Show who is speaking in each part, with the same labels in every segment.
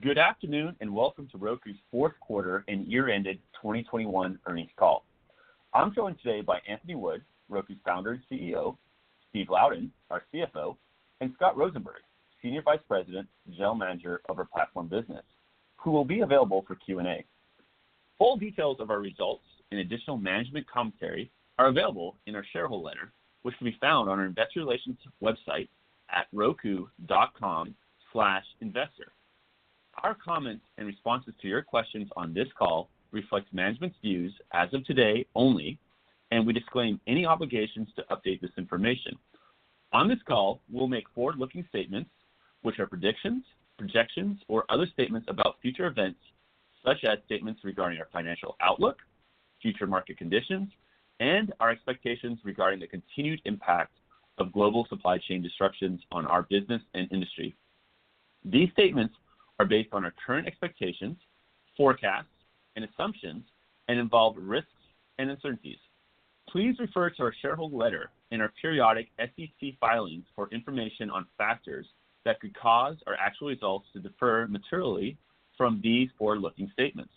Speaker 1: Good afternoon, and welcome to Roku's fourth quarter and year-ended 2021 earnings call. I'm joined today by Anthony Wood, Roku's Founder and Chief Executive Officer, Steve Louden, our Chief Financial Officer, and Scott Rosenberg, Senior Vice President and General Manager of our platform business, who will be available for Q&A. Full details of our results and additional management commentary are available in our shareholder letter, which can be found on our investor relations website at roku.com/investor. Our comments and responses to your questions on this call reflect management's views as of today only, and we disclaim any obligations to update this information. On this call, we'll make forward-looking statements which are predictions, projections, or other statements about future events, such as statements regarding our financial outlook, future market conditions, and our expectations regarding the continued impact of global supply chain disruptions on our business and industry. These statements are based on our current expectations, forecasts, and assumptions, and involve risks and uncertainties. Please refer to our shareholder letter and our periodic SEC filings for information on factors that could cause our actual results to differ materially from these forward-looking statements.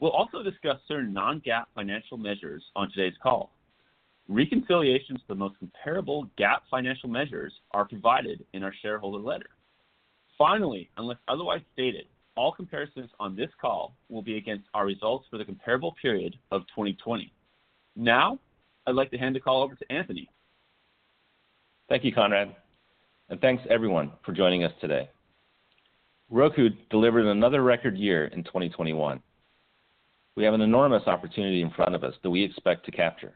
Speaker 1: We'll also discuss certain Non-GAAP financial measures on today's call. Reconciliations to the most comparable GAAP financial measures are provided in our shareholder letter. Finally, unless otherwise stated, all comparisons on this call will be against our results for the comparable period of 2020. Now, I'd like to hand the call over to Anthony.
Speaker 2: Thank you, Conrad, and thanks everyone for joining us today. Roku delivered another record year in 2021. We have an enormous opportunity in front of us that we expect to capture.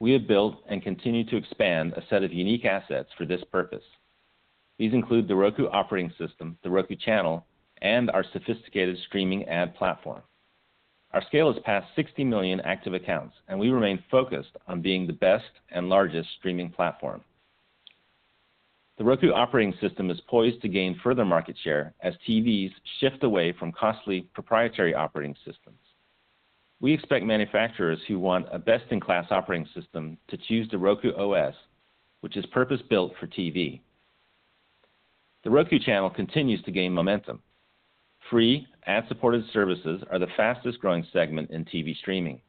Speaker 2: We have built and continue to expand a set of unique assets for this purpose. These include the Roku Operating System, The Roku Channel, and our sophisticated streaming ad platform. Our scale is past 60 million active accounts, and we remain focused on being the best and largest streaming platform. The Roku Operating System is poised to gain further market share as TVs shift away from costly proprietary operating systems. We expect manufacturers who want a best-in-class operating system to choose the Roku OS, which is purpose-built for TV. The Roku Channel continues to gain momentum. Free ad-supported services are the fastest-growing segment in TV streaming.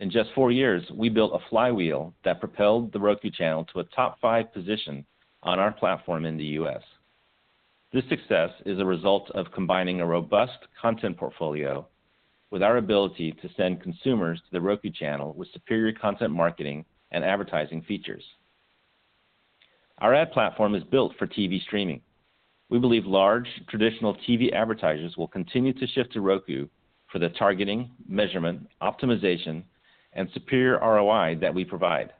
Speaker 2: In just four years, we built a flywheel that propelled The Roku Channel to a top five position on our platform in the U.S. This success is a result of combining a robust content portfolio with our ability to send consumers to The Roku Channel with superior content marketing and advertising features. Our ad platform is built for TV streaming. We believe large traditional TV advertisers will continue to shift to Roku for the targeting, measurement, optimization, and superior ROI that we provide.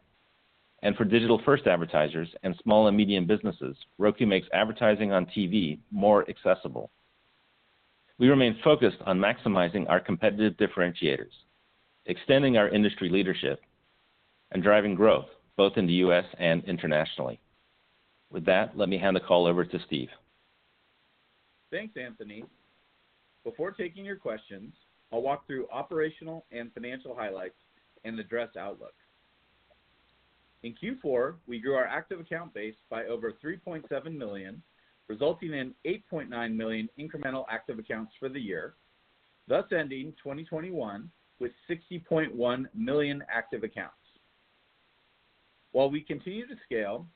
Speaker 2: For digital-first advertisers and small and medium businesses, Roku makes advertising on TV more accessible. We remain focused on maximizing our competitive differentiators, extending our industry leadership, and driving growth both in the U.S. and internationally. With that, let me hand the call over to Steve.
Speaker 3: Thanks, Anthony. Before taking your questions, I'll walk through operational and financial highlights and address outlook. In Q4, we grew our active account base by over 3.7 million accounts, resulting in 8.9 million incremental active accounts for the year, thus ending 2021 with 60.1 million active accounts. While we continue to scale,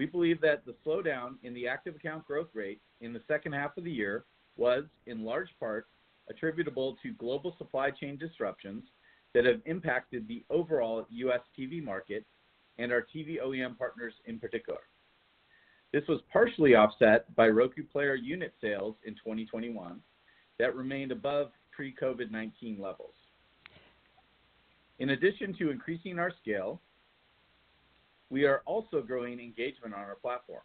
Speaker 3: we believe that the slowdown in the active account growth rate in the second half of the year was, in large part, attributable to global supply chain disruptions that have impacted the overall U.S. TV market and our TV OEM partners in particular. This was partially offset by Roku player unit sales in 2021 that remained above pre-COVID-19 levels. In addition to increasing our scale, we are also growing engagement on our platform,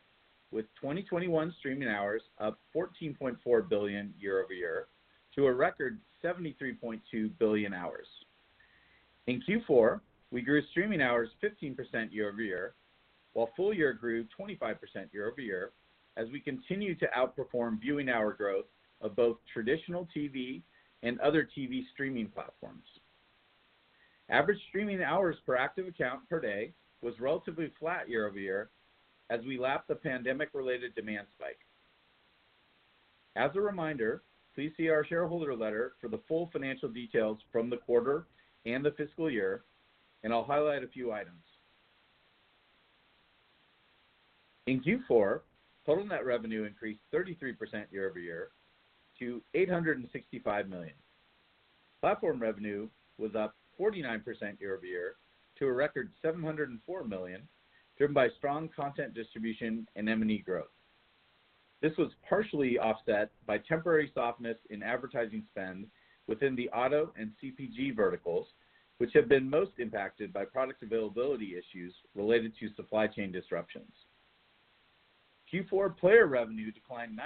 Speaker 3: with 2021 streaming hours up 14.4 billion year-over-year to a record 73.2 billion hours. In Q4, we grew streaming hours 15% year-over-year, while full year grew 25% year-over-year as we continue to outperform viewing hour growth of both traditional TV and other TV streaming platforms. Average streaming hours per active account per day was relatively flat year-over-year as we lapped the pandemic-related demand spike. As a reminder, please see our shareholder letter for the full financial details from the quarter and the fiscal year, and I'll highlight a few items. In Q4, total net revenue increased 33% year-over-year to $865 million. Platform revenue was up 49% year-over-year to a record $704 million, driven by strong content distribution and M&E growth. This was partially offset by temporary softness in advertising spend within the auto and CPG verticals, which have been most impacted by product availability issues related to supply chain disruptions. Q4 player revenue declined 9%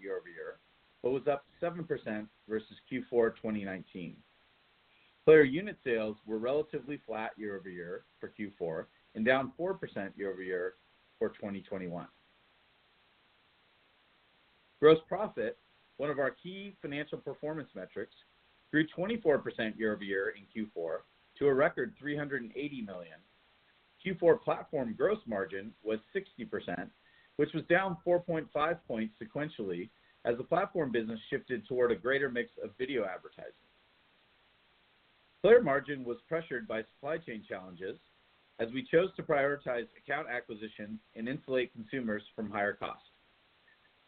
Speaker 3: year-over-year, but was up 7% versus Q4 2019. Player unit sales were relatively flat year-over-year for Q4 and down 4% year-over-year for 2021. Gross profit, one of our key financial performance metrics, grew 24% year-over-year in Q4 to a record $380 million. Q4 platform gross margin was 60%, which was down 4.5 points sequentially as the platform business shifted toward a greater mix of video advertising. Player margin was pressured by supply chain challenges as we chose to prioritize account acquisition and insulate consumers from higher costs.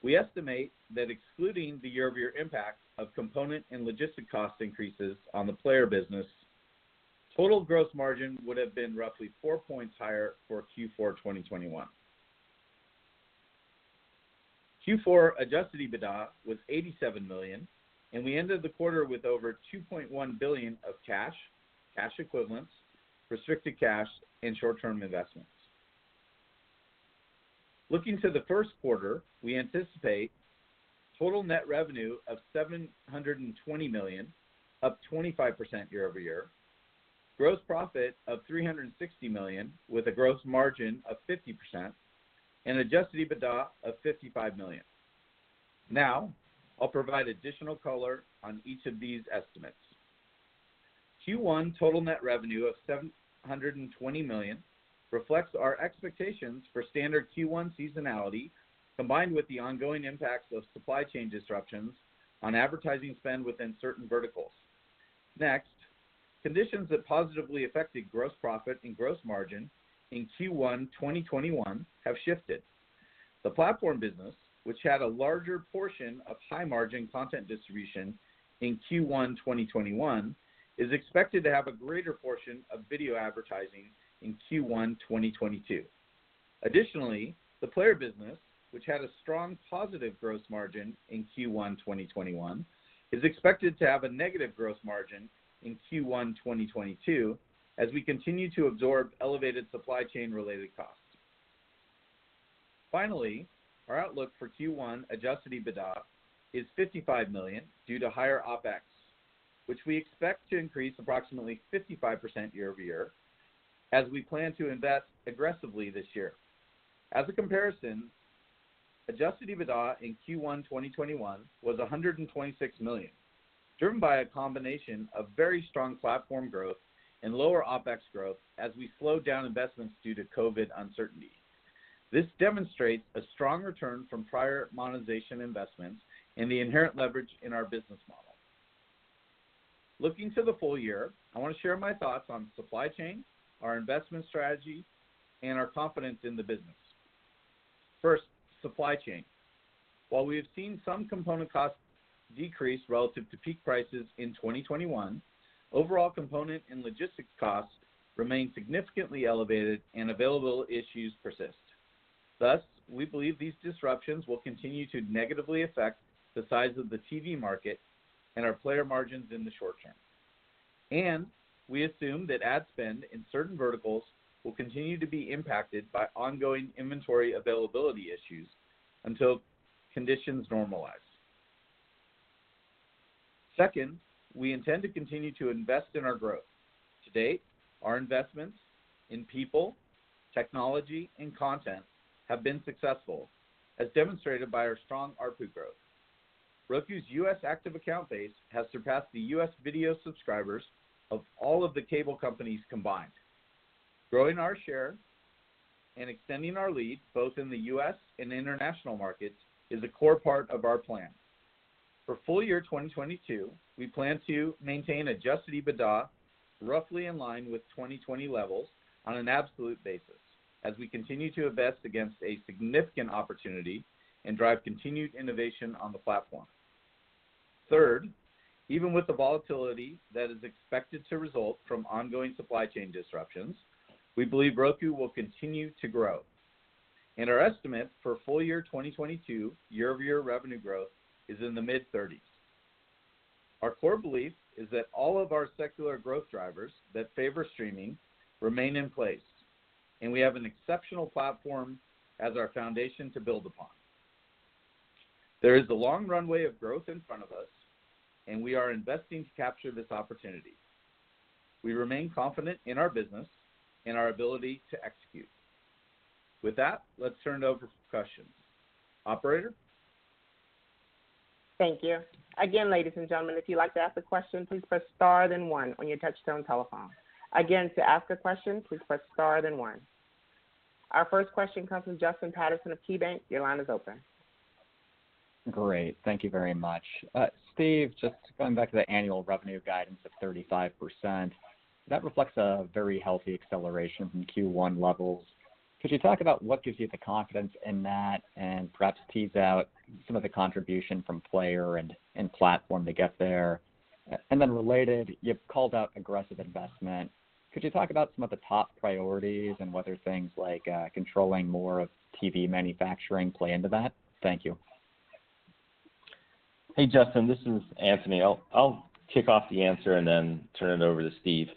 Speaker 3: We estimate that excluding the year-over-year impact of component and logistic cost increases on the player business, total gross margin would have been roughly 4 points higher for Q4 2021. Q4 adjusted EBITDA was $87 million, and we ended the quarter with over $2.1 billion of cash equivalents, restricted cash, and short-term investments. Looking to the first quarter, we anticipate total net revenue of $720 million, up 25% year-over-year, gross profit of $360 million with a gross margin of 50%, and adjusted EBITDA of $55 million. Now, I'll provide additional color on each of these estimates. Q1 total net revenue of $720 million reflects our expectations for standard Q1 seasonality, combined with the ongoing impacts of supply chain disruptions on advertising spend within certain verticals. Next, conditions that positively affected gross profit and gross margin in Q1 2021 have shifted. The platform business, which had a larger portion of high-margin content distribution in Q1 2021, is expected to have a greater portion of video advertising in Q1 2022. Additionally, the player business, which had a strong positive gross margin in Q1 2021, is expected to have a negative gross margin in Q1 2022 as we continue to absorb elevated supply chain-related costs. Finally, our outlook for Q1 adjusted EBITDA is $55 million due to higher OpEx, which we expect to increase approximately 55% year-over-year as we plan to invest aggressively this year. As a comparison, adjusted EBITDA in Q1 2021 was $126 million, driven by a combination of very strong platform growth and lower OpEx growth as we slowed down investments due to COVID uncertainty. This demonstrates a strong return from prior monetization investments and the inherent leverage in our business model. Looking to the full year, I want to share my thoughts on supply chain, our investment strategy, and our confidence in the business. First, supply chain. While we have seen some component costs decrease relative to peak prices in 2021, overall component and logistics costs remain significantly elevated and availability issues persist. Thus, we believe these disruptions will continue to negatively affect the size of the TV market and our player margins in the short term. We assume that ad spend in certain verticals will continue to be impacted by ongoing inventory availability issues until conditions normalize. Second, we intend to continue to invest in our growth. To date, our investments in people, technology, and content have been successful, as demonstrated by our strong ARPU growth. Roku's U.S. active account base has surpassed the U.S. video subscribers of all of the cable companies combined. Growing our share and extending our lead, both in the U.S. and international markets, is a core part of our plan. For full year 2022, we plan to maintain adjusted EBITDA roughly in line with 2020 levels on an absolute basis as we continue to invest against a significant opportunity and drive continued innovation on the platform. Third, even with the volatility that is expected to result from ongoing supply chain disruptions, we believe Roku will continue to grow. Our estimate for full year 2022 year-over-year revenue growth is in the mid-30s%. Our core belief is that all of our secular growth drivers that favor streaming remain in place, and we have an exceptional platform as our foundation to build upon. There is a long runway of growth in front of us, and we are investing to capture this opportunity. We remain confident in our business and our ability to execute. With that, let's turn it over for questions. Operator?
Speaker 4: Thank you. Again, ladies and gentlemen, if you'd like to ask a question, please press star then one on your touchtone telephone. Again, to ask a question, please press star then one. Our first question comes from Justin Patterson of KeyBanc Capital Markets. Your line is open.
Speaker 5: Great. Thank you very much. Steve, just going back to the annual revenue guidance of 35%, that reflects a very healthy acceleration from Q1 levels. Could you talk about what gives you the confidence in that and perhaps tease out some of the contribution from player and platform to get there? Then related, you've called out aggressive investment. Could you talk about some of the top priorities and whether things like controlling more of TV manufacturing play into that? Thank you.
Speaker 2: Hey, Justin, this is Anthony. I'll kick off the answer and then turn it over to Steve.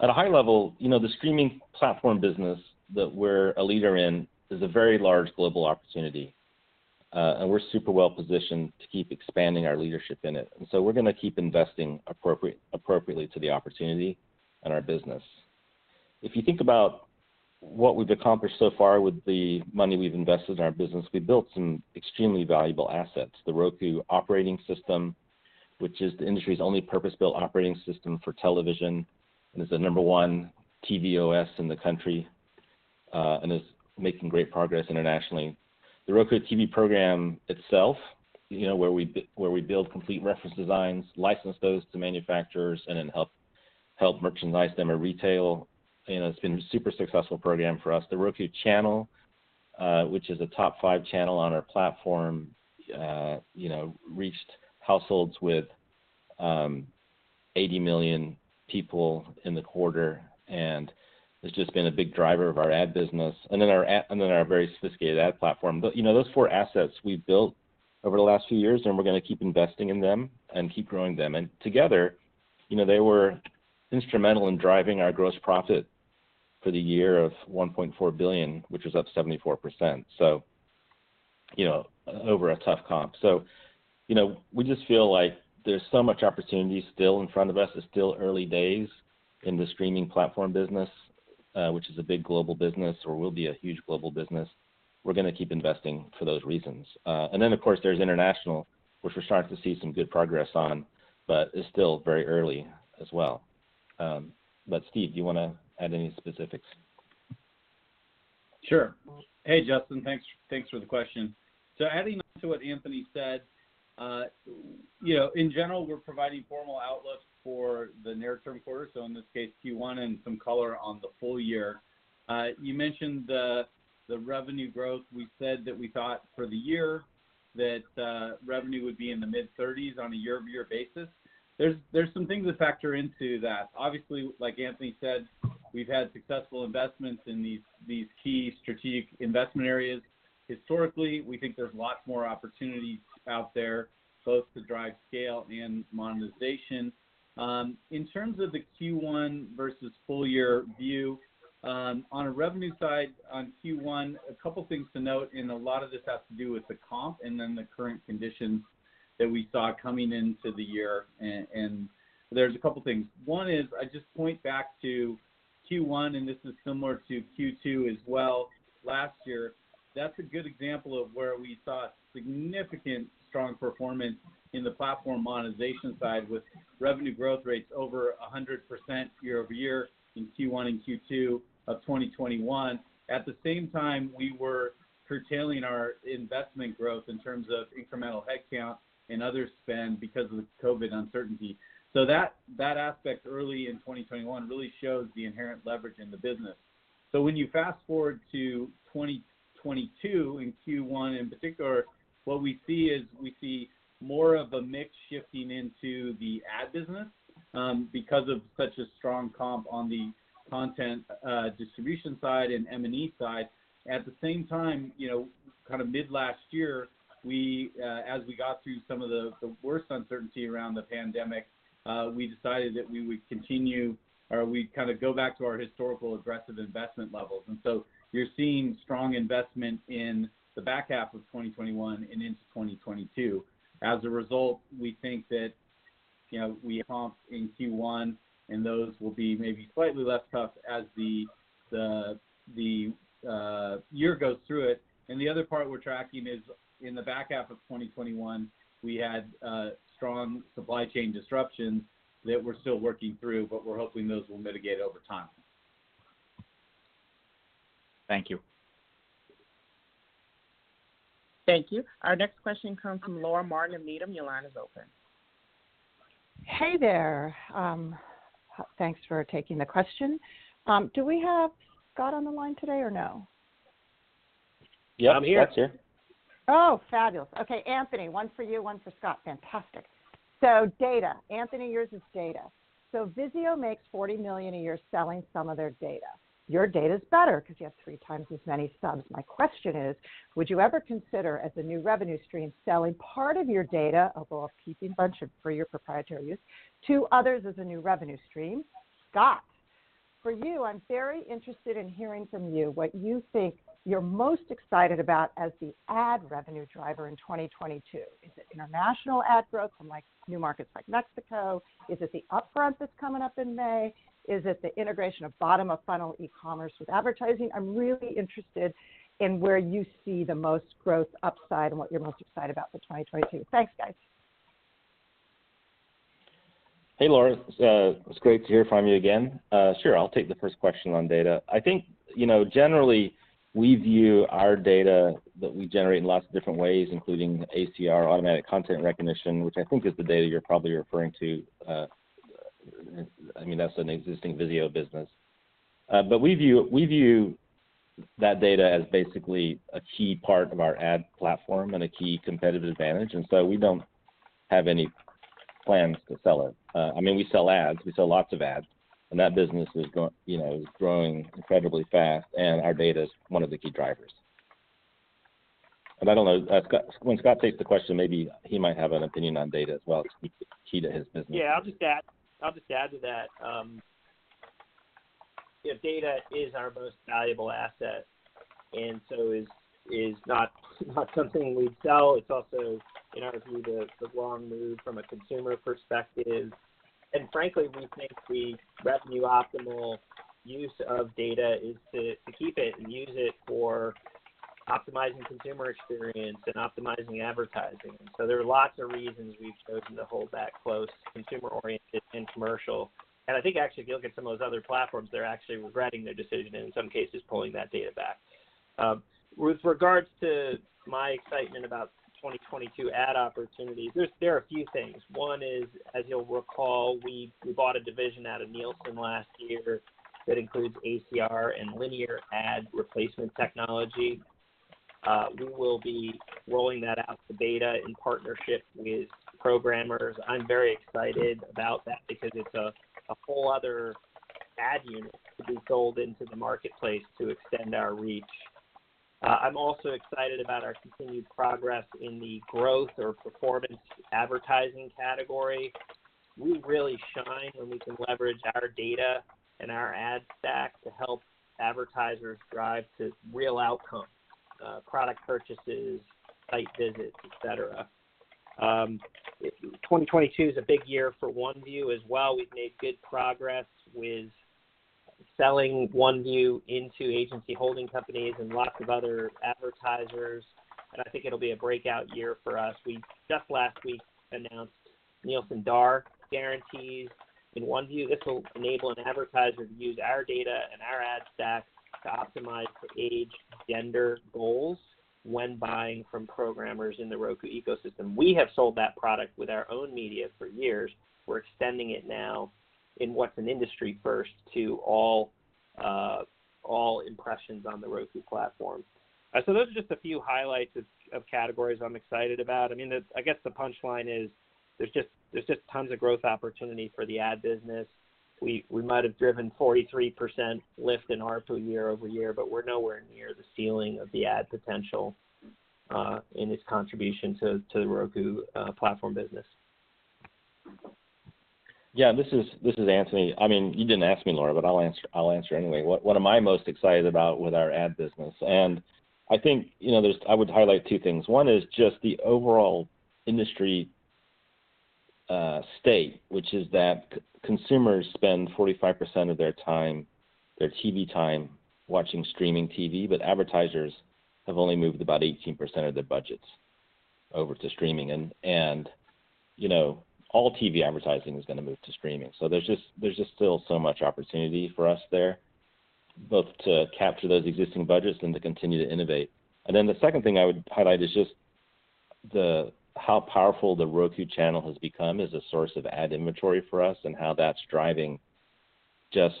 Speaker 2: At a high level, you know, the streaming platform business that we're a leader in is a very large global opportunity. We're super well positioned to keep expanding our leadership in it. We're gonna keep investing appropriately to the opportunity and our business. If you think about What we've accomplished so far with the money we've invested in our business, we've built some extremely valuable assets. The Roku operating system, which is the industry's only purpose-built operating system for television, and is the number one TV OS in the country, and is making great progress internationally. The Roku TV program itself, you know, where we build complete reference designs, license those to manufacturers, and then help merchandise them at retail, you know, has been a super successful program for us. The Roku Channel, which is a top five channel on our platform, you know, reached households with 80 million people in the quarter and has just been a big driver of our ad business. And then our very sophisticated ad platform. You know, those four assets we've built over the last few years, and we're gonna keep investing in them and keep growing them. Together, you know, they were instrumental in driving our gross profit for the year of $1.4 billion, which was up 74%, so you know, over a tough comp. You know, we just feel like there's so much opportunity still in front of us. It's still early days in the streaming platform business, which is a big global business, or will be a huge global business. We're gonna keep investing for those reasons. And then of course, there's international, which we're starting to see some good progress on, but it's still very early as well. Steve, do you wanna add any specifics?
Speaker 3: Sure. Hey, Justin. Thanks for the question. Adding to what Anthony said, you know, in general, we're providing formal outlook for the near-term quarter, so in this case Q1, and some color on the full year. You mentioned the revenue growth. We said that we thought for the year that revenue would be in the mid-30s% year-over-year. There's some things that factor into that. Obviously, like Anthony said, we've had successful investments in these key strategic investment areas. Historically, we think there's lots more opportunity out there both to drive scale and monetization. In terms of the Q1 versus full year view, on a revenue side on Q1, a couple things to note, and a lot of this has to do with the comp and then the current conditions that we saw coming into the year. There's a couple things. One is I just point back to Q1, and this is similar to Q2 as well last year. That's a good example of where we saw significant strong performance in the platform monetization side with revenue growth rates over 100% year-over-year in Q1 and Q2 of 2021. At the same time, we were curtailing our investment growth in terms of incremental head count and other spend because of the COVID uncertainty. That aspect early in 2021 really shows the inherent leverage in the business. When you fast-forward to 2022, in Q1 in particular, what we see is more of a mix shifting into the ad business because of such a strong comp on the content distribution side and M&E side. At the same time, you know, kind of mid last year, we, as we got through some of the worst uncertainty around the pandemic, we decided that we would continue or we'd kinda go back to our historical aggressive investment levels. You're seeing strong investment in the back half of 2021 and into 2022. As a result, we think that, you know, we comp in Q1, and those will be maybe slightly less tough as the year goes through it. The other part we're tracking is in the back half of 2021, we had strong supply chain disruptions that we're still working through, but we're hoping those will mitigate over time.
Speaker 2: Thank you.
Speaker 4: Thank you. Our next question comes from Laura Martin of Needham. Your line is open.
Speaker 6: Hey there. Thanks for taking the question. Do we have Scott on the line today or no?
Speaker 7: Yep, I'm here.
Speaker 2: Scott's here.
Speaker 6: Oh, fabulous. Okay, Anthony, one for you, one for Scott. Fantastic. Data, Anthony, yours is data. Vizio makes $40 million a year selling some of their data. Your data's better 'cause you have 3x as many subs. My question is, would you ever consider as a new revenue stream selling part of your data, although keeping a bunch of it for your proprietary use, to others as a new revenue stream? Scott, for you, I'm very interested in hearing from you what you think you're most excited about as the ad revenue driver in 2022. Is it international ad growth from like new markets like Mexico? Is it the upfront that's coming up in May? Is it the integration of bottom of funnel e-commerce with advertising? I'm really interested in where you see the most growth upside and what you're most excited about for 2022. Thanks, guys.
Speaker 2: Hey, Laura. It's great to hear from you again. Sure, I'll take the first question on data. I think, you know, generally, we view our data that we generate in lots of different ways, including ACR, automatic content recognition, which I think is the data you're probably referring to. I mean, that's an existing Vizio business. We view that data as basically a key part of our ad platform and a key competitive advantage, and so we don't have any plans to sell it. I mean, we sell ads. We sell lots of ads, and that business is growing incredibly fast, and our data's one of the key drivers. I don't know, ask Scott. When Scott takes the question, maybe he might have an opinion on data as well since it's key to his business.
Speaker 7: Yeah, I'll just add to that, yeah, data is our most valuable asset. It is not something we'd sell. It's also, in our view, the wrong move from a consumer perspective. Frankly, we think the revenue optimal use of data is to keep it and use it for optimizing consumer experience and optimizing advertising. There are lots of reasons we've chosen to hold that close to consumer-oriented and commercial. I think actually, if you look at some of those other platforms, they're actually regretting their decision and in some cases pulling that data back. With regards to my excitement about 2022 ad opportunities, there are a few things. One is, as you'll recall, we bought a division out of Nielsen last year that includes ACR and linear ad replacement technology. We will be rolling that out to beta in partnership with programmers. I'm very excited about that because it's a whole other ad unit to be sold into the marketplace to extend our reach. I'm also excited about our continued progress in the growth or performance advertising category. We really shine when we can leverage our data and our ad stack to help advertisers drive to real outcomes, product purchases, site visits, et cetera. 2022 is a big year for OneView as well. We've made good progress with selling OneView into agency holding companies and lots of other advertisers, and I think it'll be a breakout year for us. We just last week announced Nielsen DAR guarantees in OneView. This will enable an advertiser to use our data and our ad stack to optimize for age, gender goals when buying from programmers in the Roku ecosystem. We have sold that product with our own media for years. We're extending it now in what's an industry first to all impressions on the Roku platform. So those are just a few highlights of categories I'm excited about. I mean, I guess the punchline is there's just tons of growth opportunity for the ad business. We might have driven 43% lift in ARPU year-over-year, but we're nowhere near the ceiling of the ad potential and its contribution to the Roku platform business.
Speaker 2: Yeah. This is Anthony. I mean, you didn't ask me, Laura, but I'll answer anyway. What am I most excited about with our ad business? I think, you know, I would highlight two things. One is just the overall industry state, which is that consumers spend 45% of their time, their TV time watching streaming TV, but advertisers have only moved about 18% of their budgets over to streaming. You know, all TV advertising is gonna move to streaming. There's just still so much opportunity for us there, both to capture those existing budgets and to continue to innovate. The second thing I would highlight is just how powerful The Roku Channel has become as a source of ad inventory for us and how that's driving just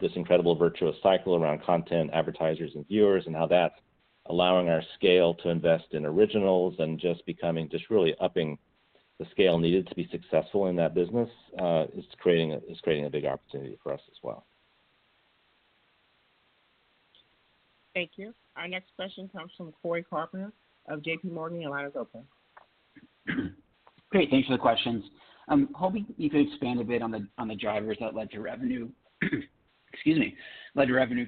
Speaker 2: this incredible virtuous cycle around content advertisers and viewers and how that's allowing our scale to invest in originals and just becoming just really upping the scale needed to be successful in that business is creating a big opportunity for us as well.
Speaker 4: Thank you. Our next question comes from Cory Carpenter of J.P. Morgan. Your line is open.
Speaker 8: Great. Thanks for the questions. Hoping you could expand a bit on the drivers that led to revenue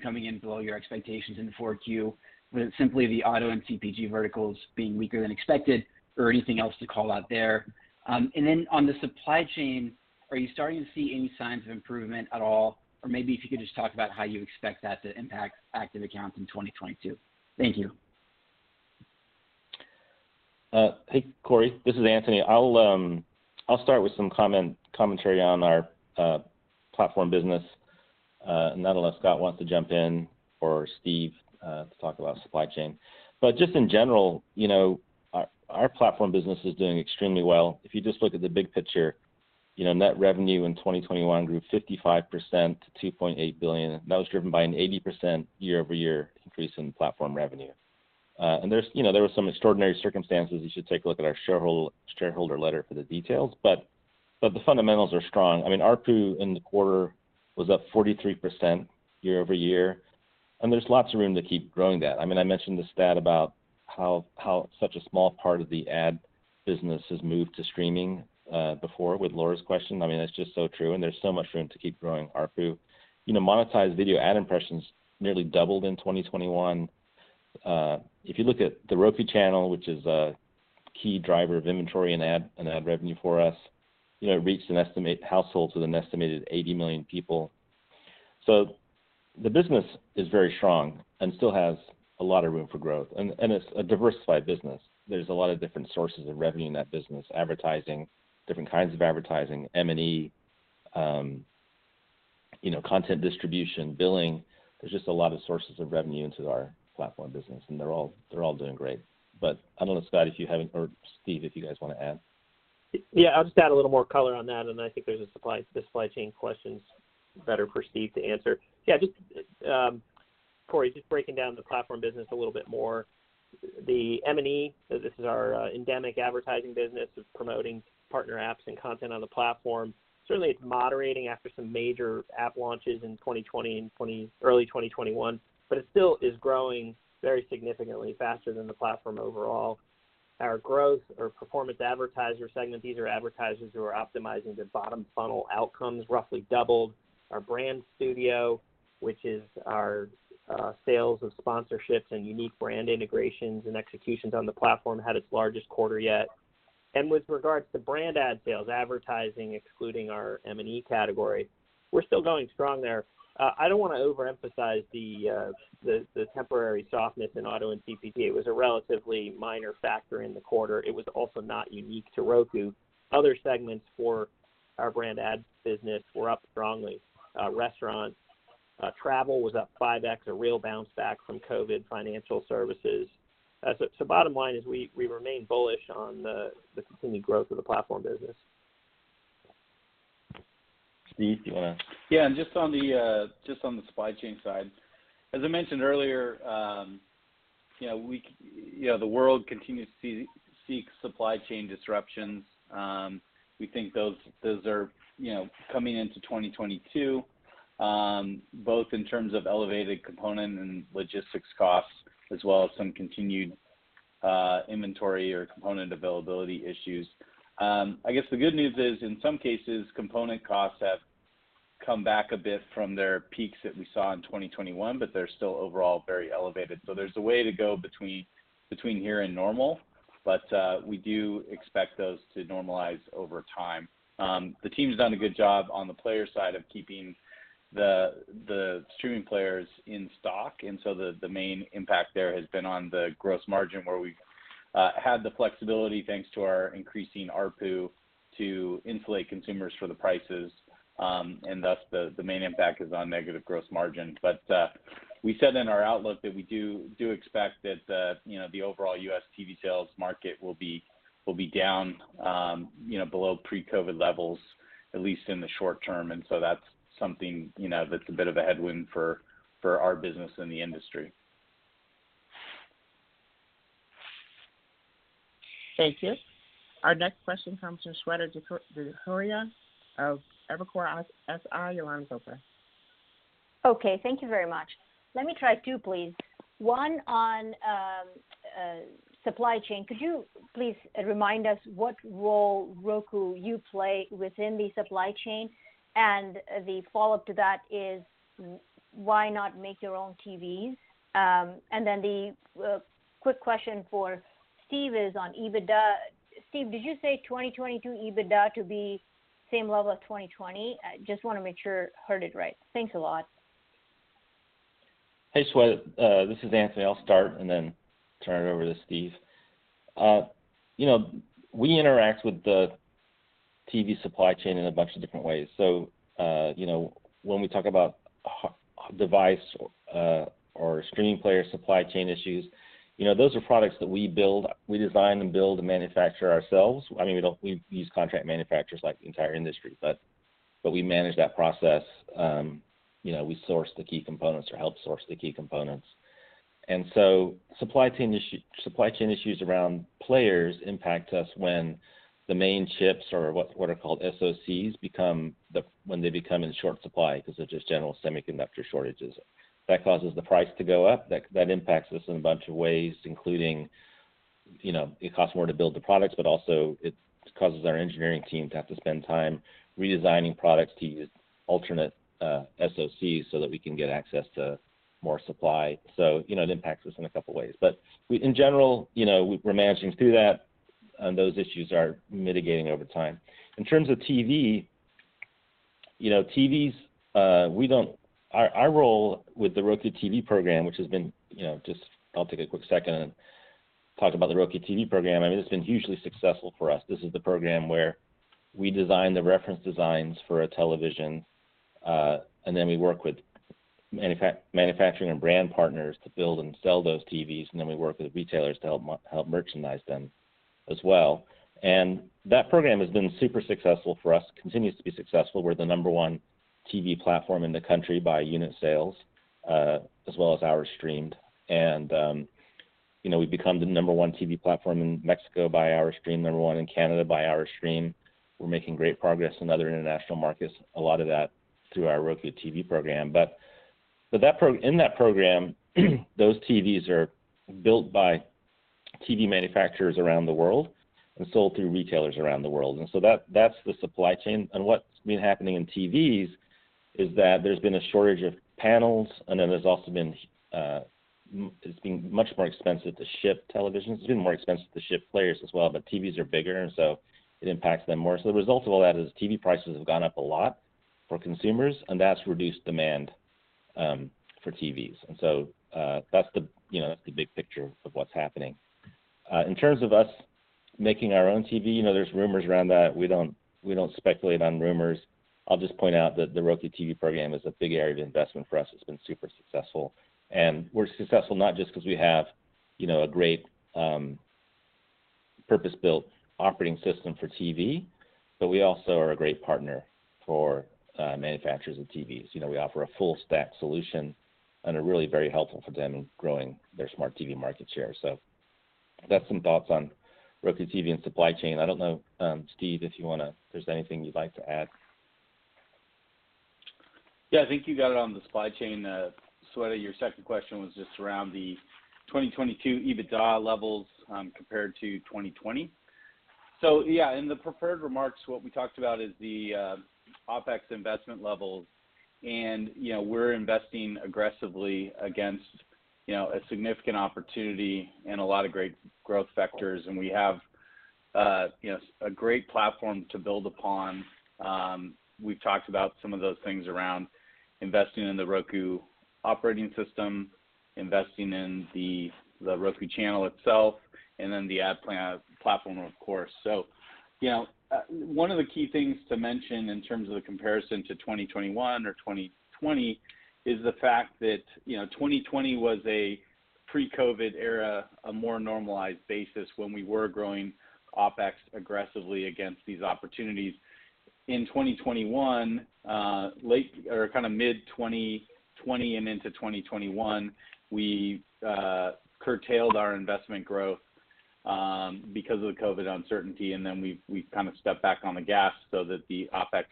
Speaker 8: coming in below your expectations in Q4. Was it simply the auto and CPG verticals being weaker than expected or anything else to call out there? And then on the supply chain, are you starting to see any signs of improvement at all? Or maybe if you could just talk about how you expect that to impact active accounts in 2022. Thank you.
Speaker 2: Hey, Cory. This is Anthony. I'll start with some commentary on our platform business, and then let Scott wants to jump in or Steve to talk about supply chain. Just in general, you know, our platform business is doing extremely well. If you just look at the big picture, you know, net revenue in 2021 grew 55% to $2.8 billion. That was driven by an 80% year-over-year increase in platform revenue. And there's, you know, there were some extraordinary circumstances. You should take a look at our shareholder letter for the details. The fundamentals are strong. I mean, ARPU in the quarter was up 43% year-over-year, and there's lots of room to keep growing that. I mean, I mentioned the stat about how such a small part of the ad business has moved to streaming before with Laura's question. I mean, that's just so true, and there's so much room to keep growing ARPU. You know, monetized video ad impressions nearly doubled in 2021. If you look at The Roku Channel, which is a key driver of inventory and ad revenue for us, you know, it reached an estimated 80 million households with an estimated 80 million people. The business is very strong and still has a lot of room for growth. It's a diversified business. There's a lot of different sources of revenue in that business, advertising, different kinds of advertising, M&E, you know, content distribution, billing. There's just a lot of sources of revenue into our platform business, and they're all doing great. I don't know, Scott, if you have or Steve, if you guys wanna add.
Speaker 7: Yeah. I'll just add a little more color on that, and I think there's a supply chain questions better for Steve to answer. Yeah. Just, Corey, just breaking down the platform business a little bit more. The M&E, so this is our endemic advertising business. It's promoting partner apps and content on the platform. Certainly, it's moderating after some major app launches in 2020 and early 2021, but it still is growing very significantly faster than the platform overall.
Speaker 2: Our growth in performance advertiser segment, these are advertisers who are optimizing their bottom funnel outcomes, roughly doubled. Our brand studio, which is our sales of sponsorships and unique brand integrations and executions on the platform, had its largest quarter yet. With regards to brand ad sales, advertising excluding our M&E category, we're still going strong there. I don't wanna overemphasize the temporary softness in auto and CPG. It was a relatively minor factor in the quarter. It was also not unique to Roku. Other segments for our brand ad business were up strongly. Restaurants, travel was up 5x, a real bounce back from COVID. Financial services. So bottom line is we remain bullish on the continued growth of the platform business.
Speaker 9: Steve, do you wanna?
Speaker 3: Yeah. Just on the supply chain side, as I mentioned earlier, you know, the world continues to seek supply chain disruptions. We think those are, you know, coming into 2022, both in terms of elevated component and logistics costs, as well as some continued inventory or component availability issues. I guess the good news is in some cases, component costs have come back a bit from their peaks that we saw in 2021, but they're still overall very elevated. There's a way to go between here and normal, but we do expect those to normalize over time. The team's done a good job on the player side of keeping the streaming players in stock. The main impact there has been on the gross margin where we've had the flexibility thanks to our increasing ARPU to insulate consumers from the prices. The main impact is on negative gross margin. We said in our outlook that we do expect that the you know the overall U.S. TV sales market will be down you know below pre-COVID levels, at least in the short term. That's something you know that's a bit of a headwind for our business and the industry.
Speaker 4: Thank you. Our next question comes from Shweta Khajuria of Evercore ISI. Your line's open.
Speaker 10: Okay, thank you very much. Let me try two, please. One on supply chain. Could you please remind us what role Roku plays within the supply chain? The follow-up to that is why not make your own TVs? The quick question for Steve is on EBITDA. Steve, did you say 2022 EBITDA to be the same level as 2020? I just wanna make sure I heard it right. Thanks a lot.
Speaker 2: Hey, Shweta. This is Anthony. I'll start and then turn it over to Steve. You know, we interact with the TV supply chain in a bunch of different ways. You know, when we talk about device or streaming player supply chain issues, you know, those are products that we build. We design and build and manufacture ourselves. I mean, we use contract manufacturers like the entire industry, but we manage that process. You know, we source the key components or help source the key components. Supply chain issues around players impact us when the main chips or what are called SoCs become in short supply because of just general semiconductor shortages. That causes the price to go up. That impacts us in a bunch of ways, including, you know, it costs more to build the products, but also it causes our engineering team to have to spend time redesigning products to use alternate SoCs so that we can get access to more supply. You know, it impacts us in a couple ways. In general, you know, we're managing through that, and those issues are mitigating over time. In terms of TV, you know, TVs, we don't. Our role with the Roku TV program, which has been, you know, just. I'll take a quick second and talk about the Roku TV program. I mean, it's been hugely successful for us. This is the program where we design the reference designs for a television, and then we work with manufacturing and brand partners to build and sell those TVs, and then we work with retailers to help merchandise them as well. That program has been super successful for us, continues to be successful. We're the number one TV platform in the country by unit sales, as well as hours streamed. You know, we've become the number one TV platform in Mexico by hour streamed, number one in Canada by hour streamed. We're making great progress in other international markets, a lot of that through our Roku TV program. In that program, those TVs are built by TV manufacturers around the world and sold through retailers around the world. That's the supply chain. What's been happening in TVs is that there's been a shortage of panels, and then there's also been it's been much more expensive to ship televisions. It's been more expensive to ship players as well, but TVs are bigger, and so it impacts them more. The result of all that is TV prices have gone up a lot for consumers, and that's reduced demand for TVs. That's the big picture of what's happening. In terms of us making our own TV, you know, there's rumors around that. We don't speculate on rumors. I'll just point out that the Roku TV program is a big area of investment for us. It's been super successful. We're successful not just because we have, you know, a great, purpose-built operating system for TV, but we also are a great partner for manufacturers of TVs. You know, we offer a full stack solution and are really very helpful for them in growing their smart TV market share. That's some thoughts on Roku TV and supply chain. I don't know, Steve, if there's anything you'd like to add.
Speaker 3: Yeah, I think you got it on the supply chain, Shweta. Your second question was just around the 2022 EBITDA levels, compared to 2020. Yeah, in the prepared remarks, what we talked about is the OpEx investment levels. You know, we're investing aggressively against, you know, a significant opportunity and a lot of great growth vectors. We have, you know, a great platform to build upon. We've talked about some of those things around investing in the Roku operating system, investing in the Roku Channel itself, and then the ad platform, of course. You know, one of the key things to mention in terms of the comparison to 2021 or 2020 is the fact that, you know, 2020 was a pre-COVID era, a more normalized basis when we were growing OpEx aggressively against these opportunities. In 2021, late or kind of mid-2020 and into 2021, we curtailed our investment growth because of the COVID uncertainty, and then we've kind of stepped back on the gas so that the OpEx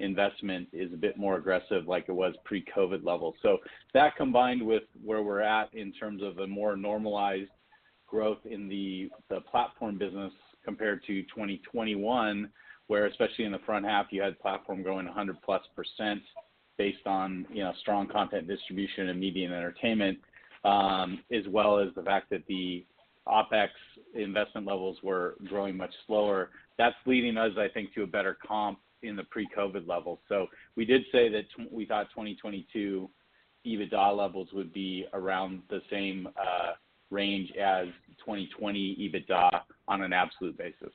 Speaker 3: investment is a bit more aggressive like it was pre-COVID levels. That combined with where we're at in terms of a more normalized growth in the platform business compared to 2021, where especially in the front half, you had platform growing 100%+ based on, you know, strong content distribution and media and entertainment, as well as the fact that the OpEx investment levels were growing much slower. That's leading us, I think, to a better comp in the pre-COVID-19 level. We did say that we thought 2022 EBITDA levels would be around the same range as 2020 EBITDA on an absolute basis.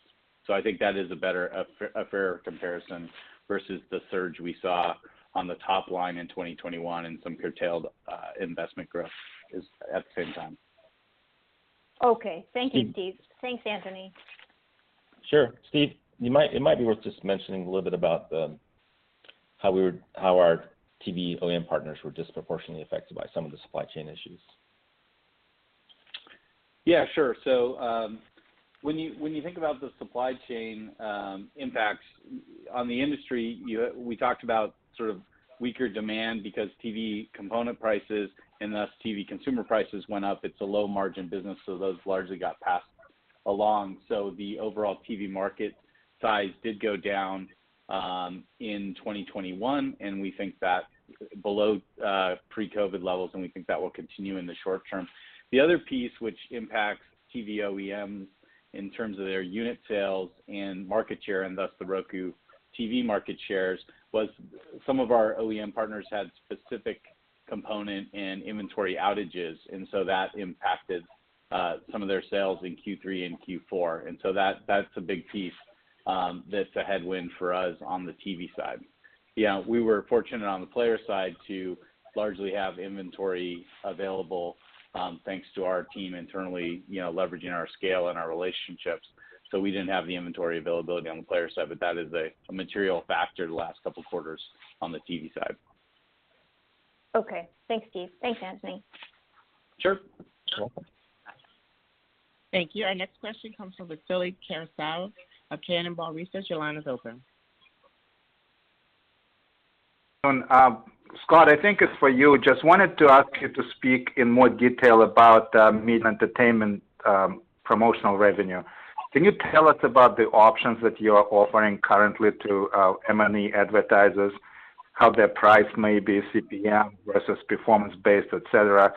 Speaker 3: I think that is a better, a fair comparison versus the surge we saw on the top line in 2021 and some curtailed investment growth is at the same time.
Speaker 10: Okay. Thank you, Steve.
Speaker 3: Steve.
Speaker 10: Thanks, Anthony.
Speaker 2: Sure. Steve, it might be worth just mentioning a little bit about the, how our TV OEM partners were disproportionately affected by some of the supply chain issues.
Speaker 3: Yeah, sure. When you think about the supply chain impacts on the industry, we talked about sort of weaker demand because TV component prices, and thus TV consumer prices went up. It's a low margin business, those largely got passed along. The overall TV market size did go down in 2021, and we think that below pre-COVID levels, and we think that will continue in the short term. The other piece which impacts TV OEMs in terms of their unit sales and market share, and thus the Roku TV market shares, was some of our OEM partners had specific component and inventory outages, and that impacted some of their sales in Q3 and Q4. That's a big piece, that's a headwind for us on the TV side. Yeah, we were fortunate on the player side to largely have inventory available, thanks to our team internally, you know, leveraging our scale and our relationships. We didn't have the inventory availability on the player side, but that is a material factor the last couple of quarters on the TV side.
Speaker 10: Okay. Thanks, Steve. Thanks, Anthony.
Speaker 3: Sure.
Speaker 2: You're welcome.
Speaker 4: Thank you. Our next question comes from Vasily Karasyov of Cannonball Research. Your line is open.
Speaker 11: Scott, I think it's for you. Just wanted to ask you to speak in more detail about media and entertainment promotional revenue. Can you tell us about the options that you are offering currently to M&E advertisers, how their price may be CPM versus performance-based, et cetera?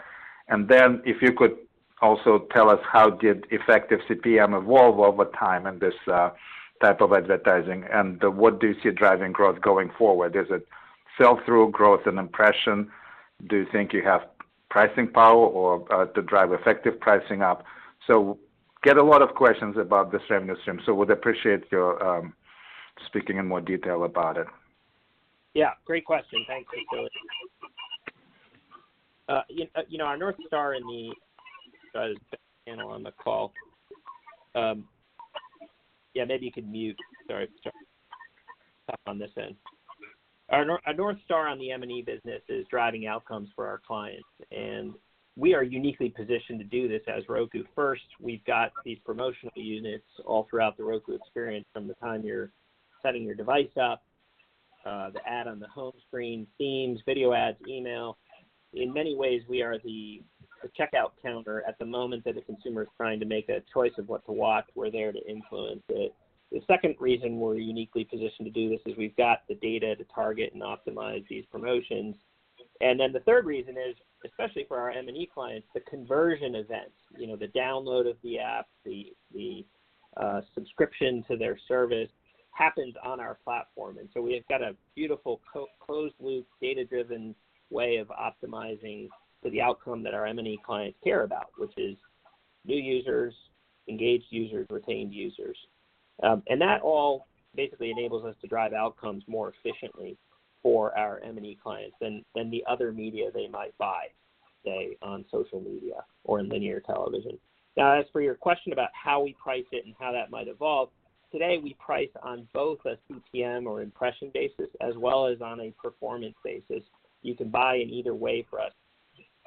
Speaker 11: If you could also tell us how did effective CPM evolve over time in this type of advertising, and what do you see driving growth going forward? Is it sell-through growth and impression? Do you think you have pricing power or to drive effective pricing up? I get a lot of questions about the same issue, so I would appreciate your speaking in more detail about it.
Speaker 7: Yeah, great question. Thanks, Vasily. You know, our North Star on the M&E business is driving outcomes for our clients, and we are uniquely positioned to do this as Roku First. We've got these promotional units all throughout the Roku experience from the time you're setting your device up, the ad on the home screen, themes, video ads, email. In many ways, we are the checkout counter at the moment that the consumer is trying to make a choice of what to watch, we're there to influence it. The second reason we're uniquely positioned to do this is we've got the data to target and optimize these promotions. The third reason is, especially for our M&E clients, the conversion events, you know, the download of the app, the subscription to their service happens on our platform. We have got a beautiful closed loop, data-driven way of optimizing for the outcome that our M&E clients care about, which is new users, engaged users, retained users. That all basically enables us to drive outcomes more efficiently for our M&E clients than the other media they might buy, say, on social media or in linear television. Now, as for your question about how we price it and how that might evolve, today, we price on both a CPM or impression basis, as well as on a performance basis. You can buy in either way for us.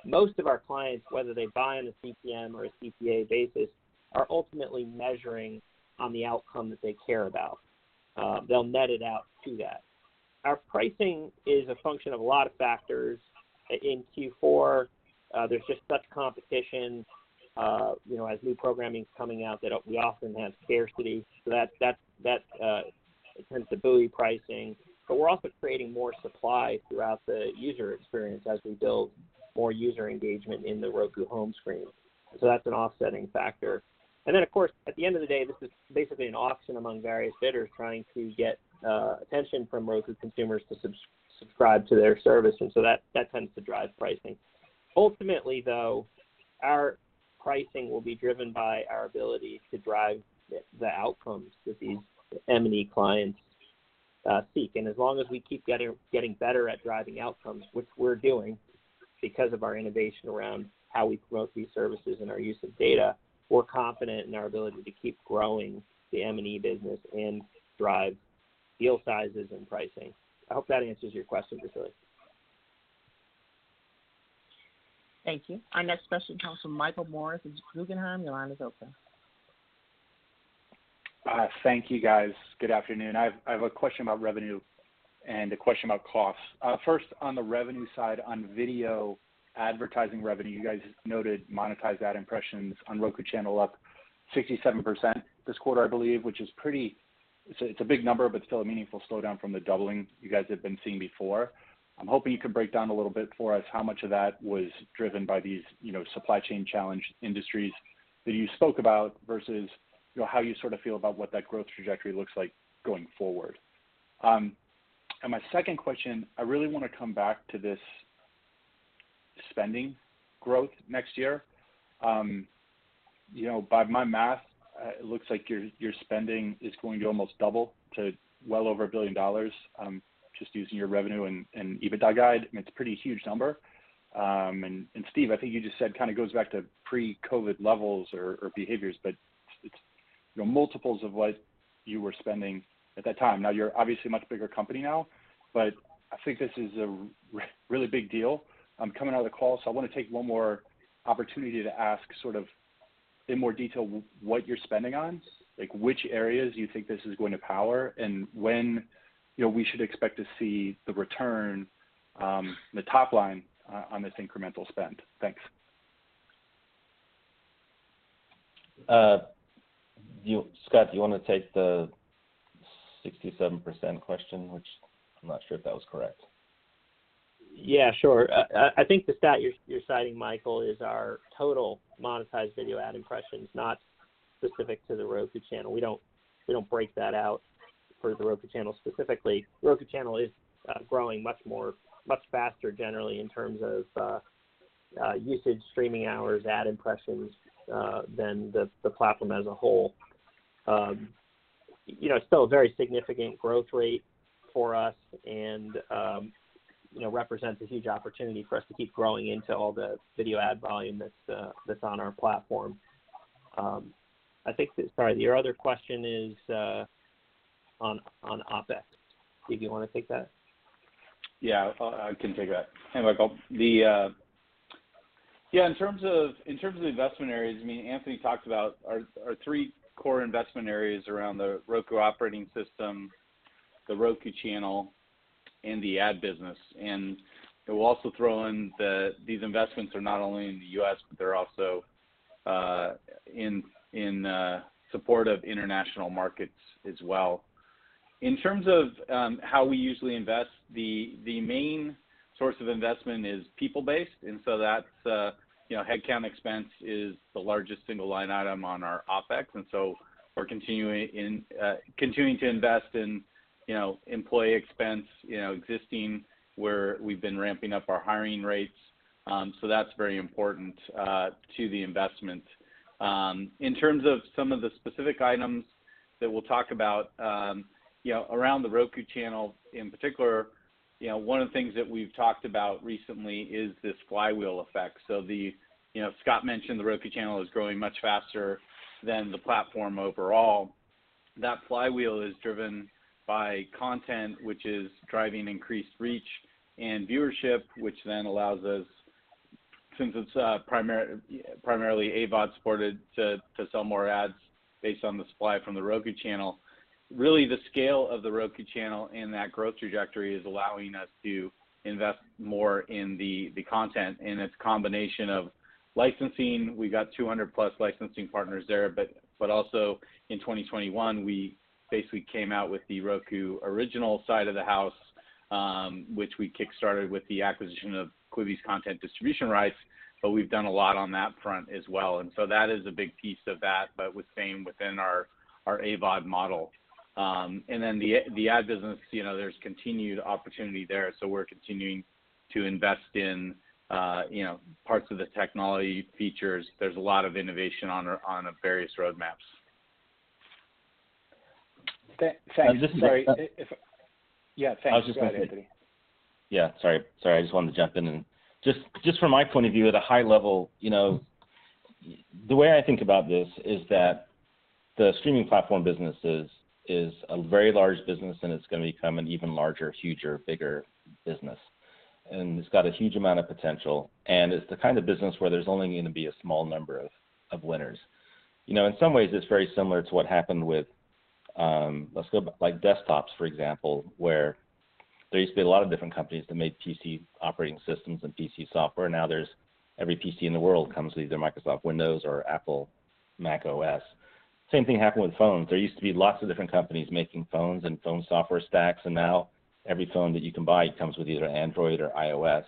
Speaker 7: Most of our clients, whether they buy on a CPM or a CPA basis, are ultimately measuring on the outcome that they care about. They'll net it out to that. Our pricing is a function of a lot of factors. In Q4, there's just such competition, you know, as new programming's coming out that we often have scarcity. That tends to buoy pricing. We're also creating more supply throughout the user experience as we build more user engagement in The Roku home screen. That's an offsetting factor. Then, of course, at the end of the day, this is basically an auction among various bidders trying to get attention from Roku consumers to subscribe to their service. That tends to drive pricing. Ultimately, though, our pricing will be driven by our ability to drive the outcomes that these M&E clients seek. As long as we keep getting better at driving outcomes, which we're doing because of our innovation around how we promote these services and our use of data, we're confident in our ability to keep growing the M&E business and drive deal sizes and pricing. I hope that answers your question, Vasily Karasyov.
Speaker 4: Thank you. Our next question comes from Michael Morris of Guggenheim. Your line is open.
Speaker 12: Thank you guys. Good afternoon. I have a question about revenue and a question about costs. First, on the revenue side, on video advertising revenue, you guys noted monetized ad impressions on Roku Channel up 67% this quarter, I believe, which is pretty. It's a big number, but still a meaningful slowdown from the doubling you guys have been seeing before. I'm hoping you could break down a little bit for us how much of that was driven by these, you know, supply chain challenged industries that you spoke about versus, you know, how you sort of feel about what that growth trajectory looks like going forward. My second question, I really wanna come back to this spending growth next year. You know, by my math, it looks like your spending is going to almost double to well over $1 billion, just using your revenue and EBITDA guide, and it's a pretty huge number. Steve, I think you just said kind of goes back to pre-COVID-19 levels or behaviors, but it's, you know, multiples of what you were spending at that time. Now, you're obviously a much bigger company now, but I think this is a really big deal, coming out of the call, so I wanna take one more opportunity to ask sort of in more detail what you're spending on, like which areas you think this is going to power, and when, you know, we should expect to see the return, the top line on this incremental spend. Thanks.
Speaker 2: Scott, do you wanna take the 67% question, which I'm not sure if that was correct?
Speaker 7: Yeah, sure. I think the stat you're citing, Michael, is our total monetized video ad impressions, not specific to The Roku Channel. We don't break that out for The Roku Channel specifically. Roku Channel is growing much more, much faster generally in terms of usage, streaming hours, ad impressions than the platform as a whole. You know, still a very significant growth rate for us and, you know, represents a huge opportunity for us to keep growing into all the video ad volume that's on our platform. Sorry, your other question is on OpEx. Steve, you wanna take that?
Speaker 3: Yeah. I can take that. Hey, Michael. Yeah, in terms of investment areas, I mean, Anthony talked about our three core investment areas around the Roku operating system, The Roku Channel, and the ad business. We'll also throw in that these investments are not only in the U.S., but they're also in support of international markets as well. In terms of how we usually invest, the main source of investment is people-based, and so that's you know headcount expense is the largest single line item on our OpEx, and so we're continuing to invest in you know employee expense, you know, existing, where we've been ramping up our hiring rates. So that's very important to the investment. In terms of some of the specific items that we'll talk about, you know, around The Roku Channel in particular, you know, one of the things that we've talked about recently is this flywheel effect. You know, Scott mentioned The Roku Channel is growing much faster than the platform overall. That flywheel is driven by content, which is driving increased reach and viewership, which then allows us, since it's primarily AVOD supported, to sell more ads based on the supply from The Roku Channel. Really, the scale of The Roku Channel and that growth trajectory is allowing us to invest more in the content, and it's a combination of licensing. We've got 200+ licensing partners there, but also in 2021, we basically came out with the Roku Originals side of the house, which we kickstarted with the acquisition of Quibi's content distribution rights, but we've done a lot on that front as well. That is a big piece of that, but within our AVOD model. The ad business, you know, there's continued opportunity there, so we're continuing to invest in parts of the technology features. There's a lot of innovation on our various roadmaps.
Speaker 12: Thanks. Sorry. If
Speaker 2: And just to-
Speaker 12: Yeah, thanks.
Speaker 2: I was just gonna say.
Speaker 3: Go ahead, Anthony.
Speaker 2: Yeah, sorry. Sorry, I just wanted to jump in. Just from my point of view at a high level, you know, the way I think about this is that the streaming platform business is a very large business, and it's gonna become an even larger, huger, bigger business. It's got a huge amount of potential, and it's the kind of business where there's only going to be a small number of winners. You know, in some ways, it's very similar to what happened with like desktops, for example, where there used to be a lot of different companies that made PC operating systems and PC software. Now every PC in the world comes with either Microsoft Windows or Apple macOS. Same thing happened with phones. There used to be lots of different companies making phones and phone software stacks, and now every phone that you can buy comes with either Android or iOS.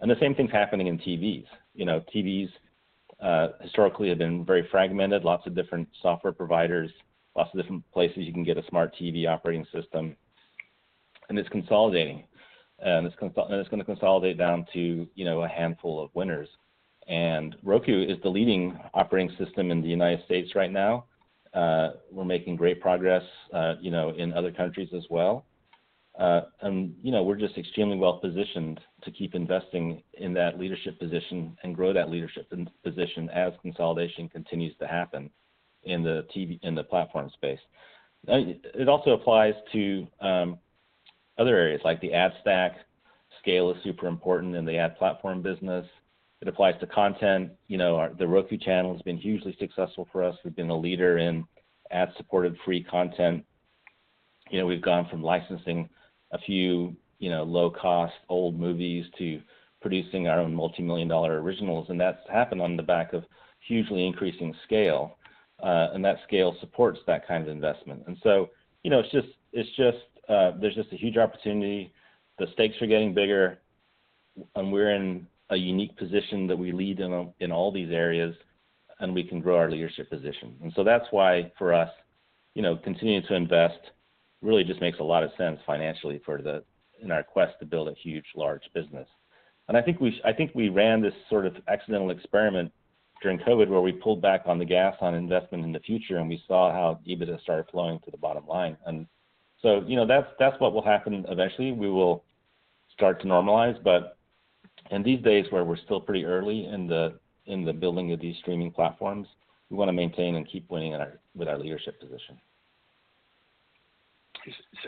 Speaker 2: The same thing's happening in TVs. You know, TVs historically have been very fragmented, lots of different software providers, lots of different places you can get a smart TV operating system, and it's consolidating. It's gonna consolidate down to, you know, a handful of winners. Roku is the leading operating system in the United States right now. We're making great progress, you know, in other countries as well. You know, we're just extremely well-positioned to keep investing in that leadership position and grow that leadership position as consolidation continues to happen in the TV platform space. It also applies to other areas, like the ad stack. Scale is super important in the ad platform business. It applies to content. You know, our The Roku Channel has been hugely successful for us. We've been a leader in ad-supported free content. You know, we've gone from licensing a few, you know, low-cost old movies to producing our own multi-million dollar originals, and that's happened on the back of hugely increasing scale. That scale supports that kind of investment. You know, it's just, there's just a huge opportunity. The stakes are getting bigger, and we're in a unique position that we lead in all these areas, and we can grow our leadership position. That's why for us, you know, continuing to invest really just makes a lot of sense financially in our quest to build a huge, large business. I think we ran this sort of accidental experiment during COVID where we pulled back on the gas on investment in the future, and we saw how EBITDA started flowing to the bottom line. You know, that's what will happen eventually. We will start to normalize, but in these days where we're still pretty early in the building of these streaming platforms, we wanna maintain and keep winning with our leadership position.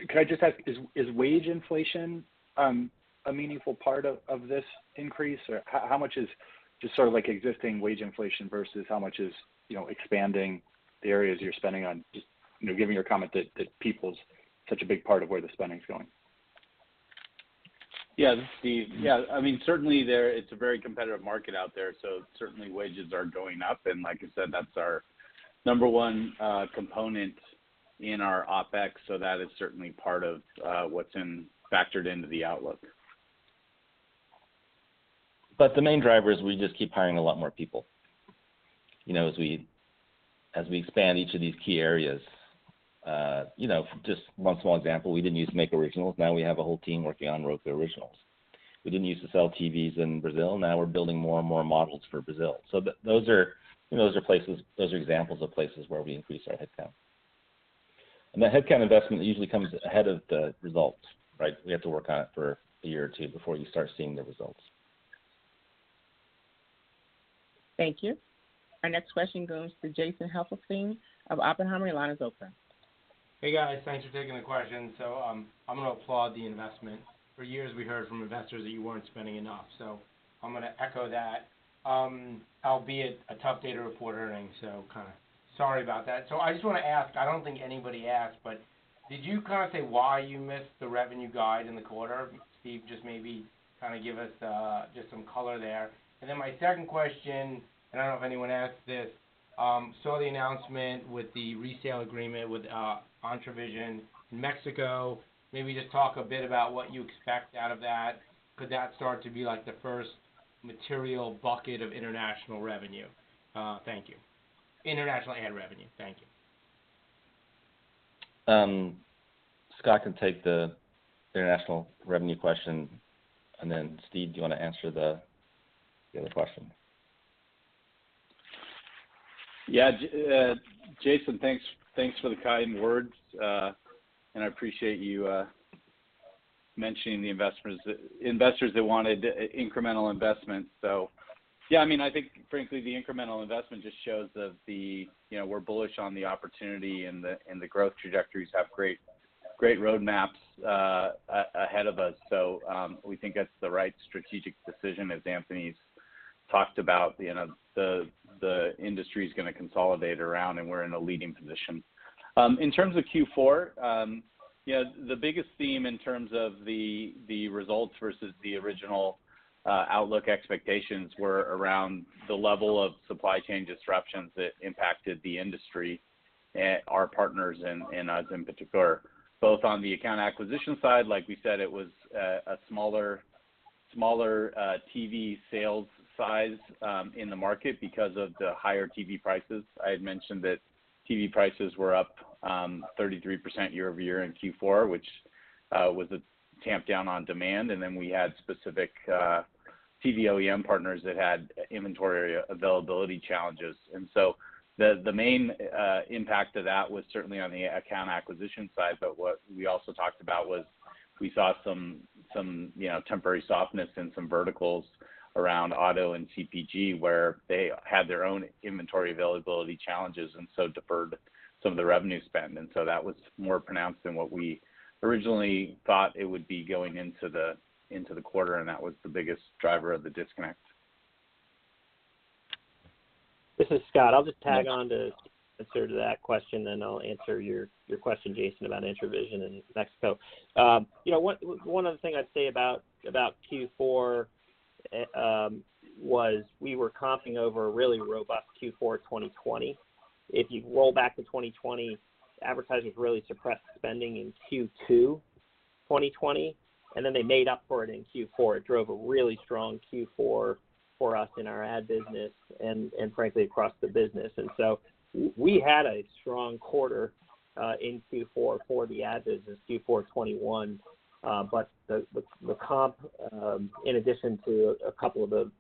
Speaker 12: Can I just ask, is wage inflation a meaningful part of this increase? Or how much is just sort of like existing wage inflation versus how much is, you know, expanding the areas you're spending on, just, you know, given your comment that people's such a big part of where the spending's going?
Speaker 3: Yeah. This is Steve. Yeah. I mean, certainly there, it's a very competitive market out there, so certainly wages are going up. Like I said, that's our number one component in our OpEx. That is certainly part of what's factored into the outlook.
Speaker 2: The main driver is we just keep hiring a lot more people, you know, as we expand each of these key areas. You know, just one small example, we didn't use to make originals. Now we have a whole team working on Roku Originals. We didn't use to sell TVs in Brazil. Now we're building more and more models for Brazil. So those are, you know, those are examples of places where we increase our headcount. That headcount investment usually comes ahead of the results, right? We have to work on it for a year or two before you start seeing the results.
Speaker 4: Thank you. Our next question goes to Jason Helfstein of Oppenheimer. Your line is open.
Speaker 13: Hey, guys. Thanks for taking the question. I'm gonna applaud the investment. For years, we heard from investors that you weren't spending enough, so I'm gonna echo that. Albeit a tough day to report earnings, so kinda sorry about that. I just wanna ask, I don't think anybody asked, but did you kinda say why you missed the revenue guide in the quarter? Steve, just maybe kinda give us, just some color there. My second question, and I don't know if anyone asked this, saw the announcement with the resale agreement with Entravision Mexico. Maybe just talk a bit about what you expect out of that. Could that start to be like the first material bucket of international revenue? Thank you. International and revenue. Thank you.
Speaker 2: Scott can take the international revenue question, and then Steve, do you wanna answer the other question?
Speaker 3: Yeah. Jason, thanks for the kind words. I appreciate you mentioning the investors that wanted incremental investments. Yeah, I mean, I think frankly, the incremental investment just shows that, you know, we're bullish on the opportunity and the growth trajectories have great roadmaps ahead of us. We think that's the right strategic decision, as Anthony's talked about. You know, the industry's gonna consolidate around, and we're in a leading position. In terms of Q4, you know, the biggest theme in terms of the results versus the original outlook expectations were around the level of supply chain disruptions that impacted the industry and our partners and us in particular. Both on the account acquisition side, like we said, it was a smaller TV sales size in the market because of the higher TV prices. I had mentioned that TV prices were up 33% year-over-year in Q4, which dampened demand. We had specific TV OEM partners that had inventory availability challenges. The main impact of that was certainly on the account acquisition side. What we also talked about was we saw some, you know, temporary softness in some verticals around auto and CPG, where they had their own inventory availability challenges and so deferred some of the revenue spend. That was more pronounced than what we originally thought it would be going into the quarter, and that was the biggest driver of the disconnect.
Speaker 7: This is Scott. I'll just tag on to answer to that question, then I'll answer your question, Jason, about Entravision and Mexico. You know, one of the things I'd say about Q4 was we were comping over a really robust Q4 2020. If you roll back to 2020, advertisers really suppressed spending in Q2 2020, and then they made up for it in Q4. It drove a really strong Q4 for us in our ad business and frankly across the business. We had a strong quarter in Q4 2021 for the ad business. But the comp, in addition to a couple of the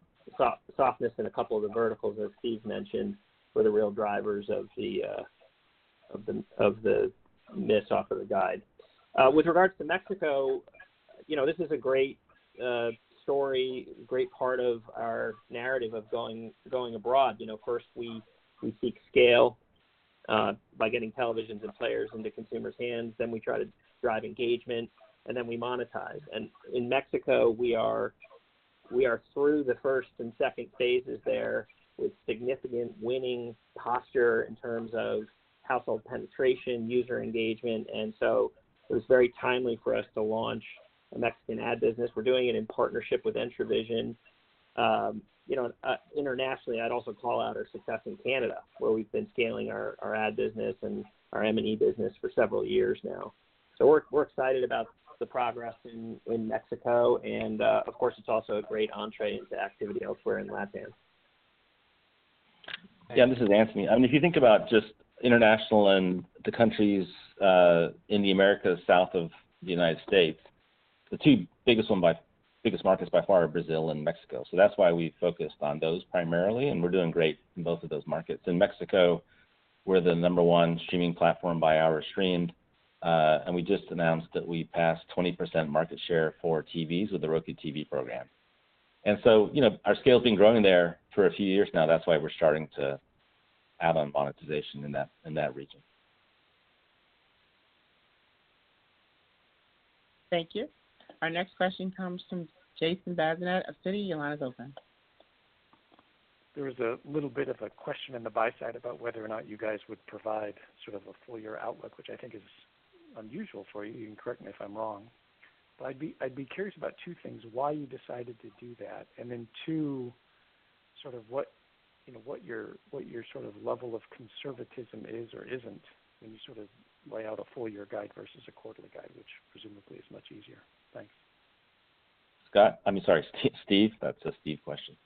Speaker 7: softness in a couple of the verticals, as Steve mentioned, were the real drivers of the miss off of the guide. With regards to Mexico, you know, this is a great story, great part of our narrative of going abroad. You know, first we seek scale by getting televisions and players into consumers' hands, then we try to drive engagement, and then we monetize. In Mexico, we are through the first and second phases there with significant winning posture in terms of household penetration, user engagement. So it was very timely for us to launch a Mexican ad business. We're doing it in partnership with Entravision. You know, internationally, I'd also call out our success in Canada, where we've been scaling our ad business and our M&E business for several years now. We're excited about the progress in Mexico. Of course, it's also a great entree into activity elsewhere in LatAm.
Speaker 2: Yeah. This is Anthony. I mean, if you think about just international and the countries in the Americas south of the United States, the two biggest markets by far are Brazil and Mexico. That's why we focused on those primarily, and we're doing great in both of those markets. In Mexico, we're the number one streaming platform by hours streamed. We just announced that we passed 20% market share for TVs with the Roku TV program. You know, our scale's been growing there for a few years now. That's why we're starting to add on monetization in that region.
Speaker 4: Thank you. Our next question comes from Jason Bazinet of Citigroup. Your line is open.
Speaker 14: There was a little bit of a question in the buy side about whether or not you guys would provide sort of a full year outlook, which I think is unusual for you. You can correct me if I'm wrong. I'd be curious about two things, why you decided to do that, and then two, sort of what, you know, what your sort of level of conservatism is or isn't when you sort of lay out a full year guide versus a quarterly guide, which presumably is much easier. Thanks.
Speaker 2: Scott. I'm sorry, Steve. That's a Steve question.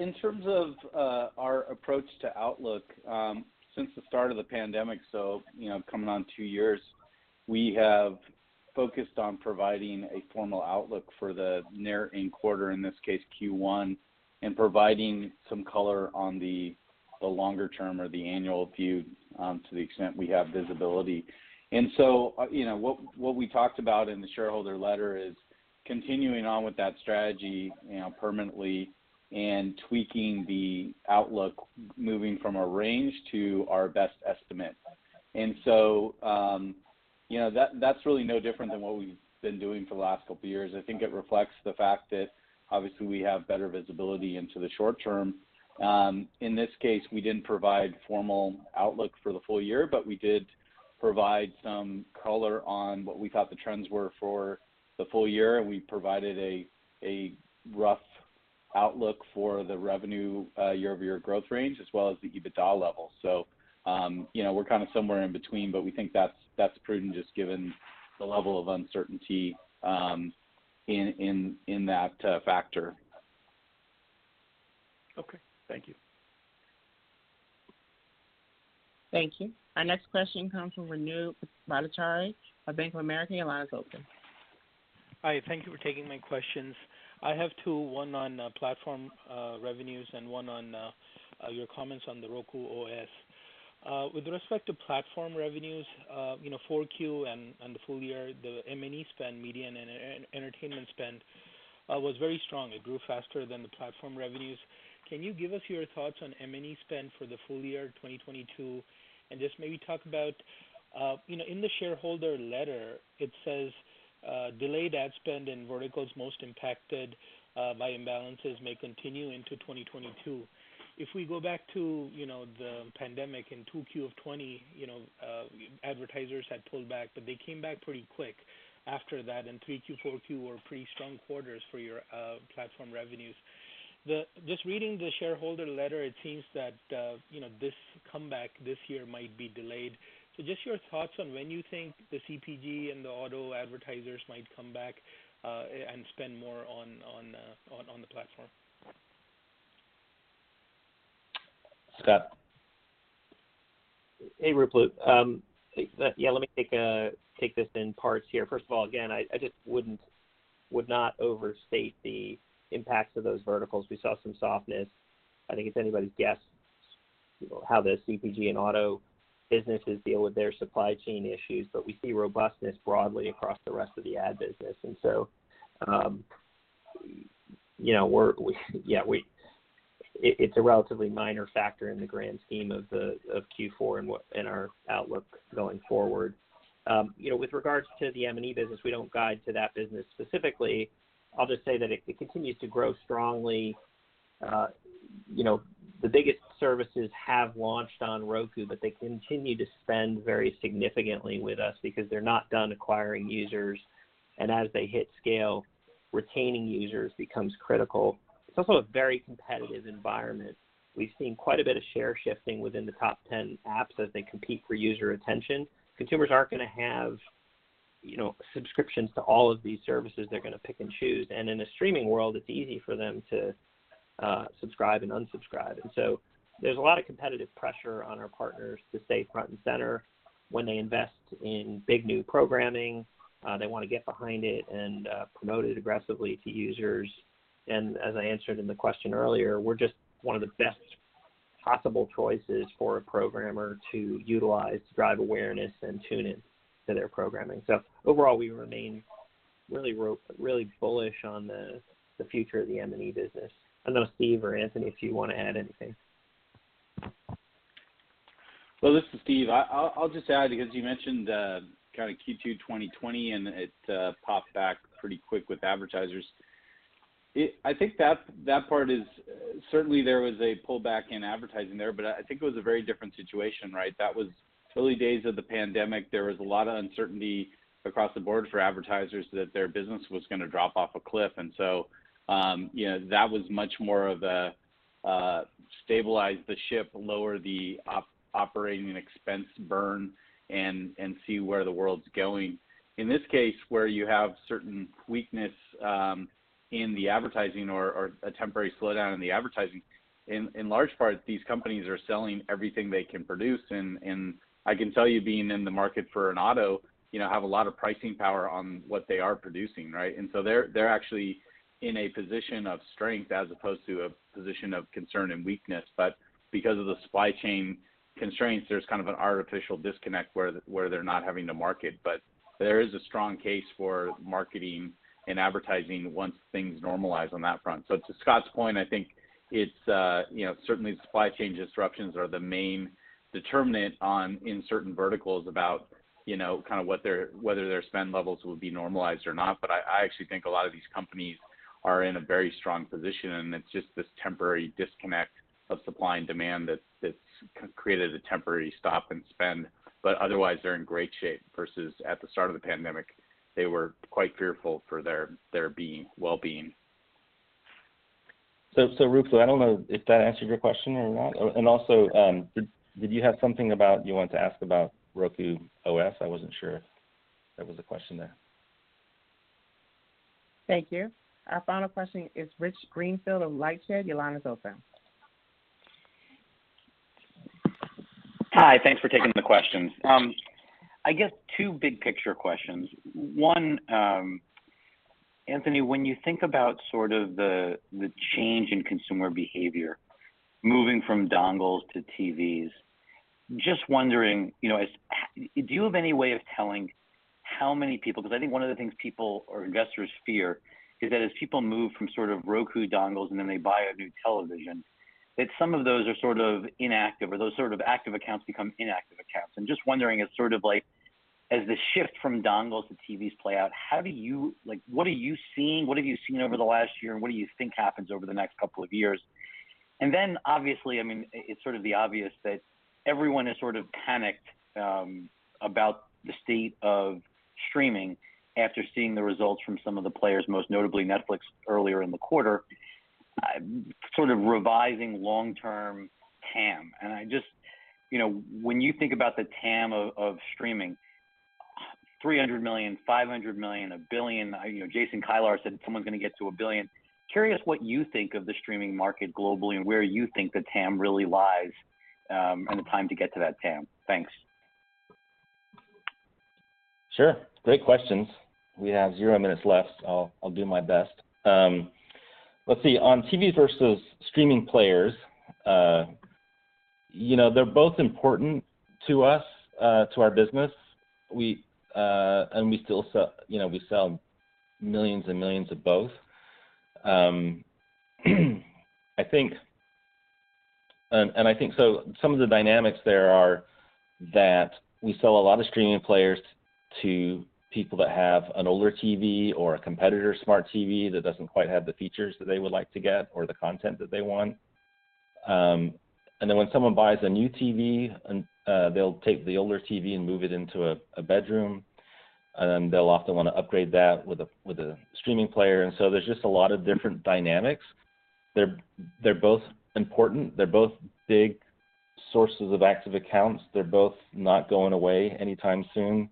Speaker 3: In terms of our approach to outlook, since the start of the pandemic, you know, coming on two years, we have focused on providing a formal outlook for the nearing quarter, in this case Q1, and providing some color on the longer term or the annual view, to the extent we have visibility. You know, what we talked about in the shareholder letter is continuing on with that strategy, you know, permanently and tweaking the outlook, moving from a range to our best estimate. You know, that's really no different than what we've been doing for the last couple of years. I think it reflects the fact that obviously we have better visibility into the short term. In this case, we didn't provide formal outlook for the full year, but we did provide some color on what we thought the trends were for the full year, and we provided a rough outlook for the revenue year-over-year growth range, as well as the EBITDA level. You know, we're kind of somewhere in between, but we think that's prudent just given the level of uncertainty in that factor.
Speaker 14: Okay. Thank you.
Speaker 4: Thank you. Our next question comes from Ruplu Bhattacharya at Bank of America. Your line is open.
Speaker 15: Hi. Thank you for taking my questions. I have two, one on platform revenues and one on your comments on the Roku OS. With respect to platform revenues, you know, 4Q and the full year, the M&E spend, media and entertainment spend, was very strong. It grew faster than the platform revenues. Can you give us your thoughts on M&E spend for the full year 2022? And just maybe talk about, you know, in the shareholder letter, it says, "Delayed ad spend in verticals most impacted by imbalances may continue into 2022." If we go back to, you know, the pandemic in 2Q of 2020, you know, advertisers had pulled back, but they came back pretty quick after that, and 3Q, 4Q were pretty strong quarters for your platform revenues. Just reading the shareholder letter, it seems that, you know, this comeback this year might be delayed. Just your thoughts on when you think the CPG and the auto advertisers might come back and spend more on the platform.
Speaker 2: Scott
Speaker 7: Hey, Ruplu. Yeah, let me take this in parts here. First of all, again, I just would not overstate the impacts of those verticals. We saw some softness. I think it's anybody's guess, you know, how the CPG and auto businesses deal with their supply chain issues, but we see robustness broadly across the rest of the ad business. You know, it's a relatively minor factor in the grand scheme of Q4 and our outlook going forward. You know, with regards to the M&E business, we don't guide to that business specifically. I'll just say that it continues to grow strongly. You know, the biggest services have launched on Roku, but they continue to spend very significantly with us because they're not done acquiring users. As they hit scale, retaining users becomes critical. It's also a very competitive environment. We've seen quite a bit of share shifting within the top ten apps as they compete for user attention. Consumers aren't gonna have, you know, subscriptions to all of these services. They're gonna pick and choose. In a streaming world, it's easy for them to subscribe and unsubscribe. So there's a lot of competitive pressure on our partners to stay front and center. When they invest in big new programming, they wanna get behind it and promote it aggressively to users. As I answered in the question earlier, we're just one of the best possible choices for a programmer to utilize to drive awareness and tune in to their programming. Overall, we remain really bullish on the future of the M&E business. I don't know, Steve or Anthony, if you wanna add anything.
Speaker 3: Well, this is Steve. I'll just add, because you mentioned kinda Q2 2020, and it popped back pretty quick with advertisers. I think that part is certainly. There was a pullback in advertising there, but I think it was a very different situation, right? That was early days of the pandemic. There was a lot of uncertainty across the board for advertisers that their business was gonna drop off a cliff. You know, that was much more of a stabilize the ship, lower the operating expense burn and see where the world's going. In this case, where you have certain weakness in the advertising or a temporary slowdown in the advertising, in large part, these companies are selling everything they can produce. I can tell you, being in the market for an auto, you know, have a lot of pricing power on what they are producing, right? They're actually in a position of strength as opposed to a position of concern and weakness. Because of the supply chain constraints, there's kind of an artificial disconnect where they're not having to market. There is a strong case for marketing and advertising once things normalize on that front. To Scott's point, I think it's, you know, certainly supply chain disruptions are the main determinant in certain verticals about, you know, kind of whether their spend levels will be normalized or not. I actually think a lot of these companies are in a very strong position, and it's just this temporary disconnect of supply and demand that's created a temporary stop in spend. Otherwise, they're in great shape versus at the start of the pandemic, they were quite fearful for their well-being.
Speaker 2: Ruplu, I don't know if that answered your question or not. Also, did you have something about you wanted to ask about Roku OS? I wasn't sure if there was a question there.
Speaker 4: Thank you. Our final question is Rich Greenfield of LightShed. Your line is open.
Speaker 9: Hi. Thanks for taking the questions. I guess two big picture questions. One, Anthony, when you think about sort of the change in consumer behavior, moving from dongles to TVs, just wondering, you know, do you have any way of telling how many people? 'Cause I think one of the things people or investors fear is that as people move from sort of Roku dongles, and then they buy a new television, that some of those are sort of inactive or those sort of active accounts become inactive accounts. I'm just wondering as sort of like, as the shift from dongles to TVs play out, how do you like, what are you seeing? What have you seen over the last year, and what do you think happens over the next couple of years? Obviously, I mean, it's sort of the obvious that everyone is sort of panicked about the state of streaming after seeing the results from some of the players, most notably Netflix earlier in the quarter, sort of revising long-term TAM. I just, you know, when you think about the TAM of streaming, 300 million users, 500 million users, 1 billion users, you know, Jason Kilar said someone's gonna get to a billion. Curious what you think of the streaming market globally and where you think the TAM really lies, and the time to get to that TAM. Thanks.
Speaker 2: Sure. Great questions. We have zero minutes left. I'll do my best. Let's see. On TV versus streaming players, you know, they're both important to us, to our business. We still sell, you know, we sell millions and millions of both. I think some of the dynamics there are that we sell a lot of streaming players to people that have an older TV or a competitor smart TV that doesn't quite have the features that they would like to get or the content that they want. When someone buys a new TV, they'll take the older TV and move it into a bedroom, and they'll often want to upgrade that with a streaming player. There's just a lot of different dynamics. They're both important. They're both big sources of active accounts. They're both not going away anytime soon.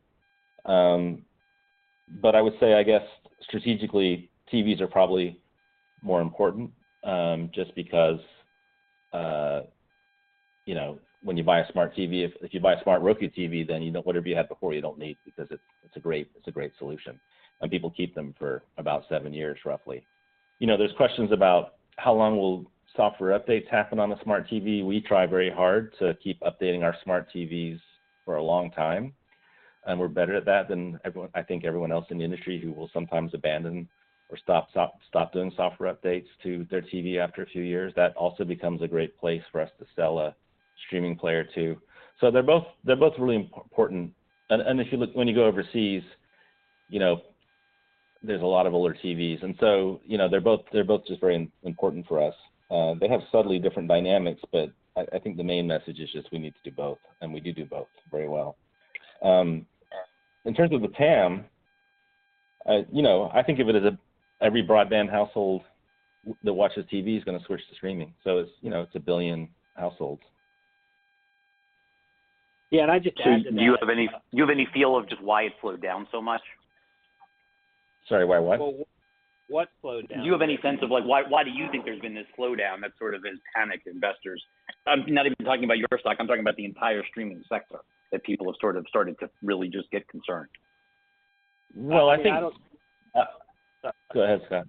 Speaker 2: I would say, I guess strategically, TVs are probably more important, just because, you know, when you buy a smart TV, if you buy a smart Roku TV, then, you know, whatever you had before, you don't need because it's a great solution. And people keep them for about seven years, roughly. You know, there's questions about how long will software updates happen on a smart TV. We try very hard to keep updating our smart TVs for a long time, and we're better at that than everyone, I think everyone else in the industry, who will sometimes abandon or stop doing software updates to their TV after a few years. That also becomes a great place for us to sell a streaming player too. They're both really important. If you look, when you go overseas, you know, there's a lot of older TVs and so, you know, they're both just very important for us. They have subtly different dynamics, but I think the main message is just we need to do both, and we do both very well. In terms of the TAM, you know, I think of it as every broadband household that watches TV is gonna switch to streaming. It's, you know, 1 billion households.
Speaker 7: Yeah. I just add to that.
Speaker 9: Do you have any feel of just why it slowed down so much?
Speaker 2: Sorry, why what?
Speaker 7: Well, what slowed down?
Speaker 9: Do you have any sense of like, why do you think there's been this slowdown that sort of has panicked investors? I'm not even talking about your stock. I'm talking about the entire streaming sector, that people have sort of started to really just get concerned.
Speaker 2: No, I think.
Speaker 7: I mean, I don't.
Speaker 2: Go ahead, Scott.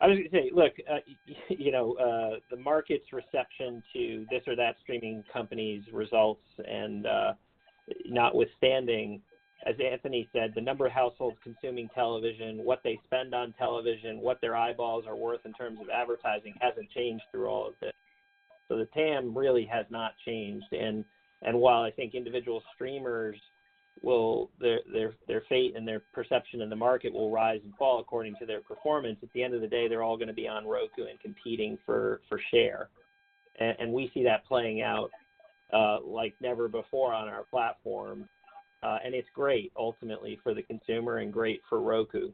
Speaker 7: I was gonna say, look, you know, the market's reception to this or that streaming company's results and, notwithstanding, as Anthony said, the number of households consuming television, what they spend on television, what their eyeballs are worth in terms of advertising hasn't changed through all of this. The TAM really has not changed. While I think individual streamers will, their fate and their perception in the market will rise and fall according to their performance, at the end of the day, they're all gonna be on Roku and competing for share. We see that playing out, like never before on our platform. It's great ultimately for the consumer and great for Roku.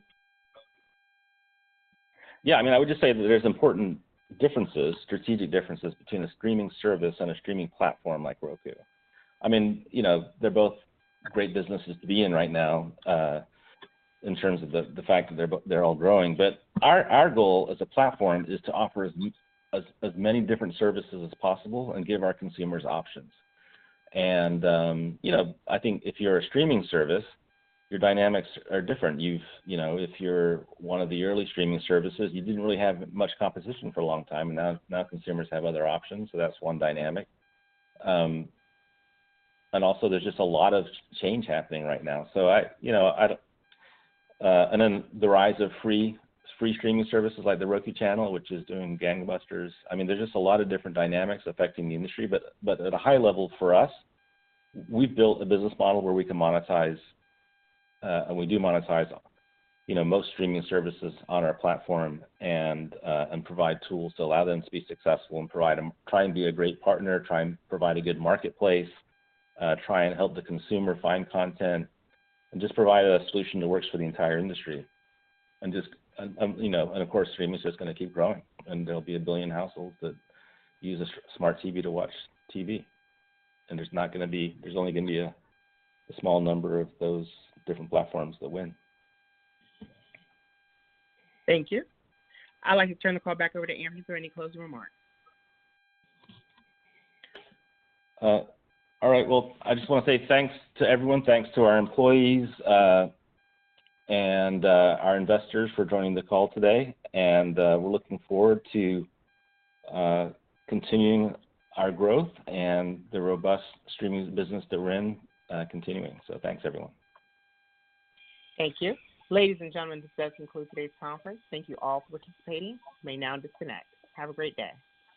Speaker 2: Yeah. I mean, I would just say that there's important differences, strategic differences between a streaming service and a streaming platform like Roku. I mean, you know, they're both great businesses to be in right now, in terms of the fact that they're all growing. Our goal as a platform is to offer as many different services as possible and give our consumers options. You know, I think if you're a streaming service, your dynamics are different. You know, if you're one of the early streaming services, you didn't really have much competition for a long time. Now consumers have other options, so that's one dynamic. Also there's just a lot of change happening right now. You know, I don't. The rise of free streaming services like The Roku Channel, which is doing gangbusters. I mean, there's just a lot of different dynamics affecting the industry. At a high level for us, we've built a business model where we can monetize and we do monetize, you know, most streaming services on our platform and provide tools to allow them to be successful and provide them. Try and be a great partner, try and provide a good marketplace, try and help the consumer find content and just provide a solution that works for the entire industry. You know, of course streaming is just gonna keep growing, and there'll be a billion households that use a smart TV to watch TV. There's not gonna be. There's only gonna be a small number of those different platforms that win.
Speaker 4: Thank you. I'd like to turn the call back over to Anthony for any closing remarks.
Speaker 2: All right. Well, I just wanna say thanks to everyone. Thanks to our employees and our investors for joining the call today. We're looking forward to continuing our growth and the robust streaming business that we're in. Thanks, everyone.
Speaker 4: Thank you. Ladies and gentlemen, this does conclude today's conference. Thank you all for participating. You may now disconnect. Have a great day.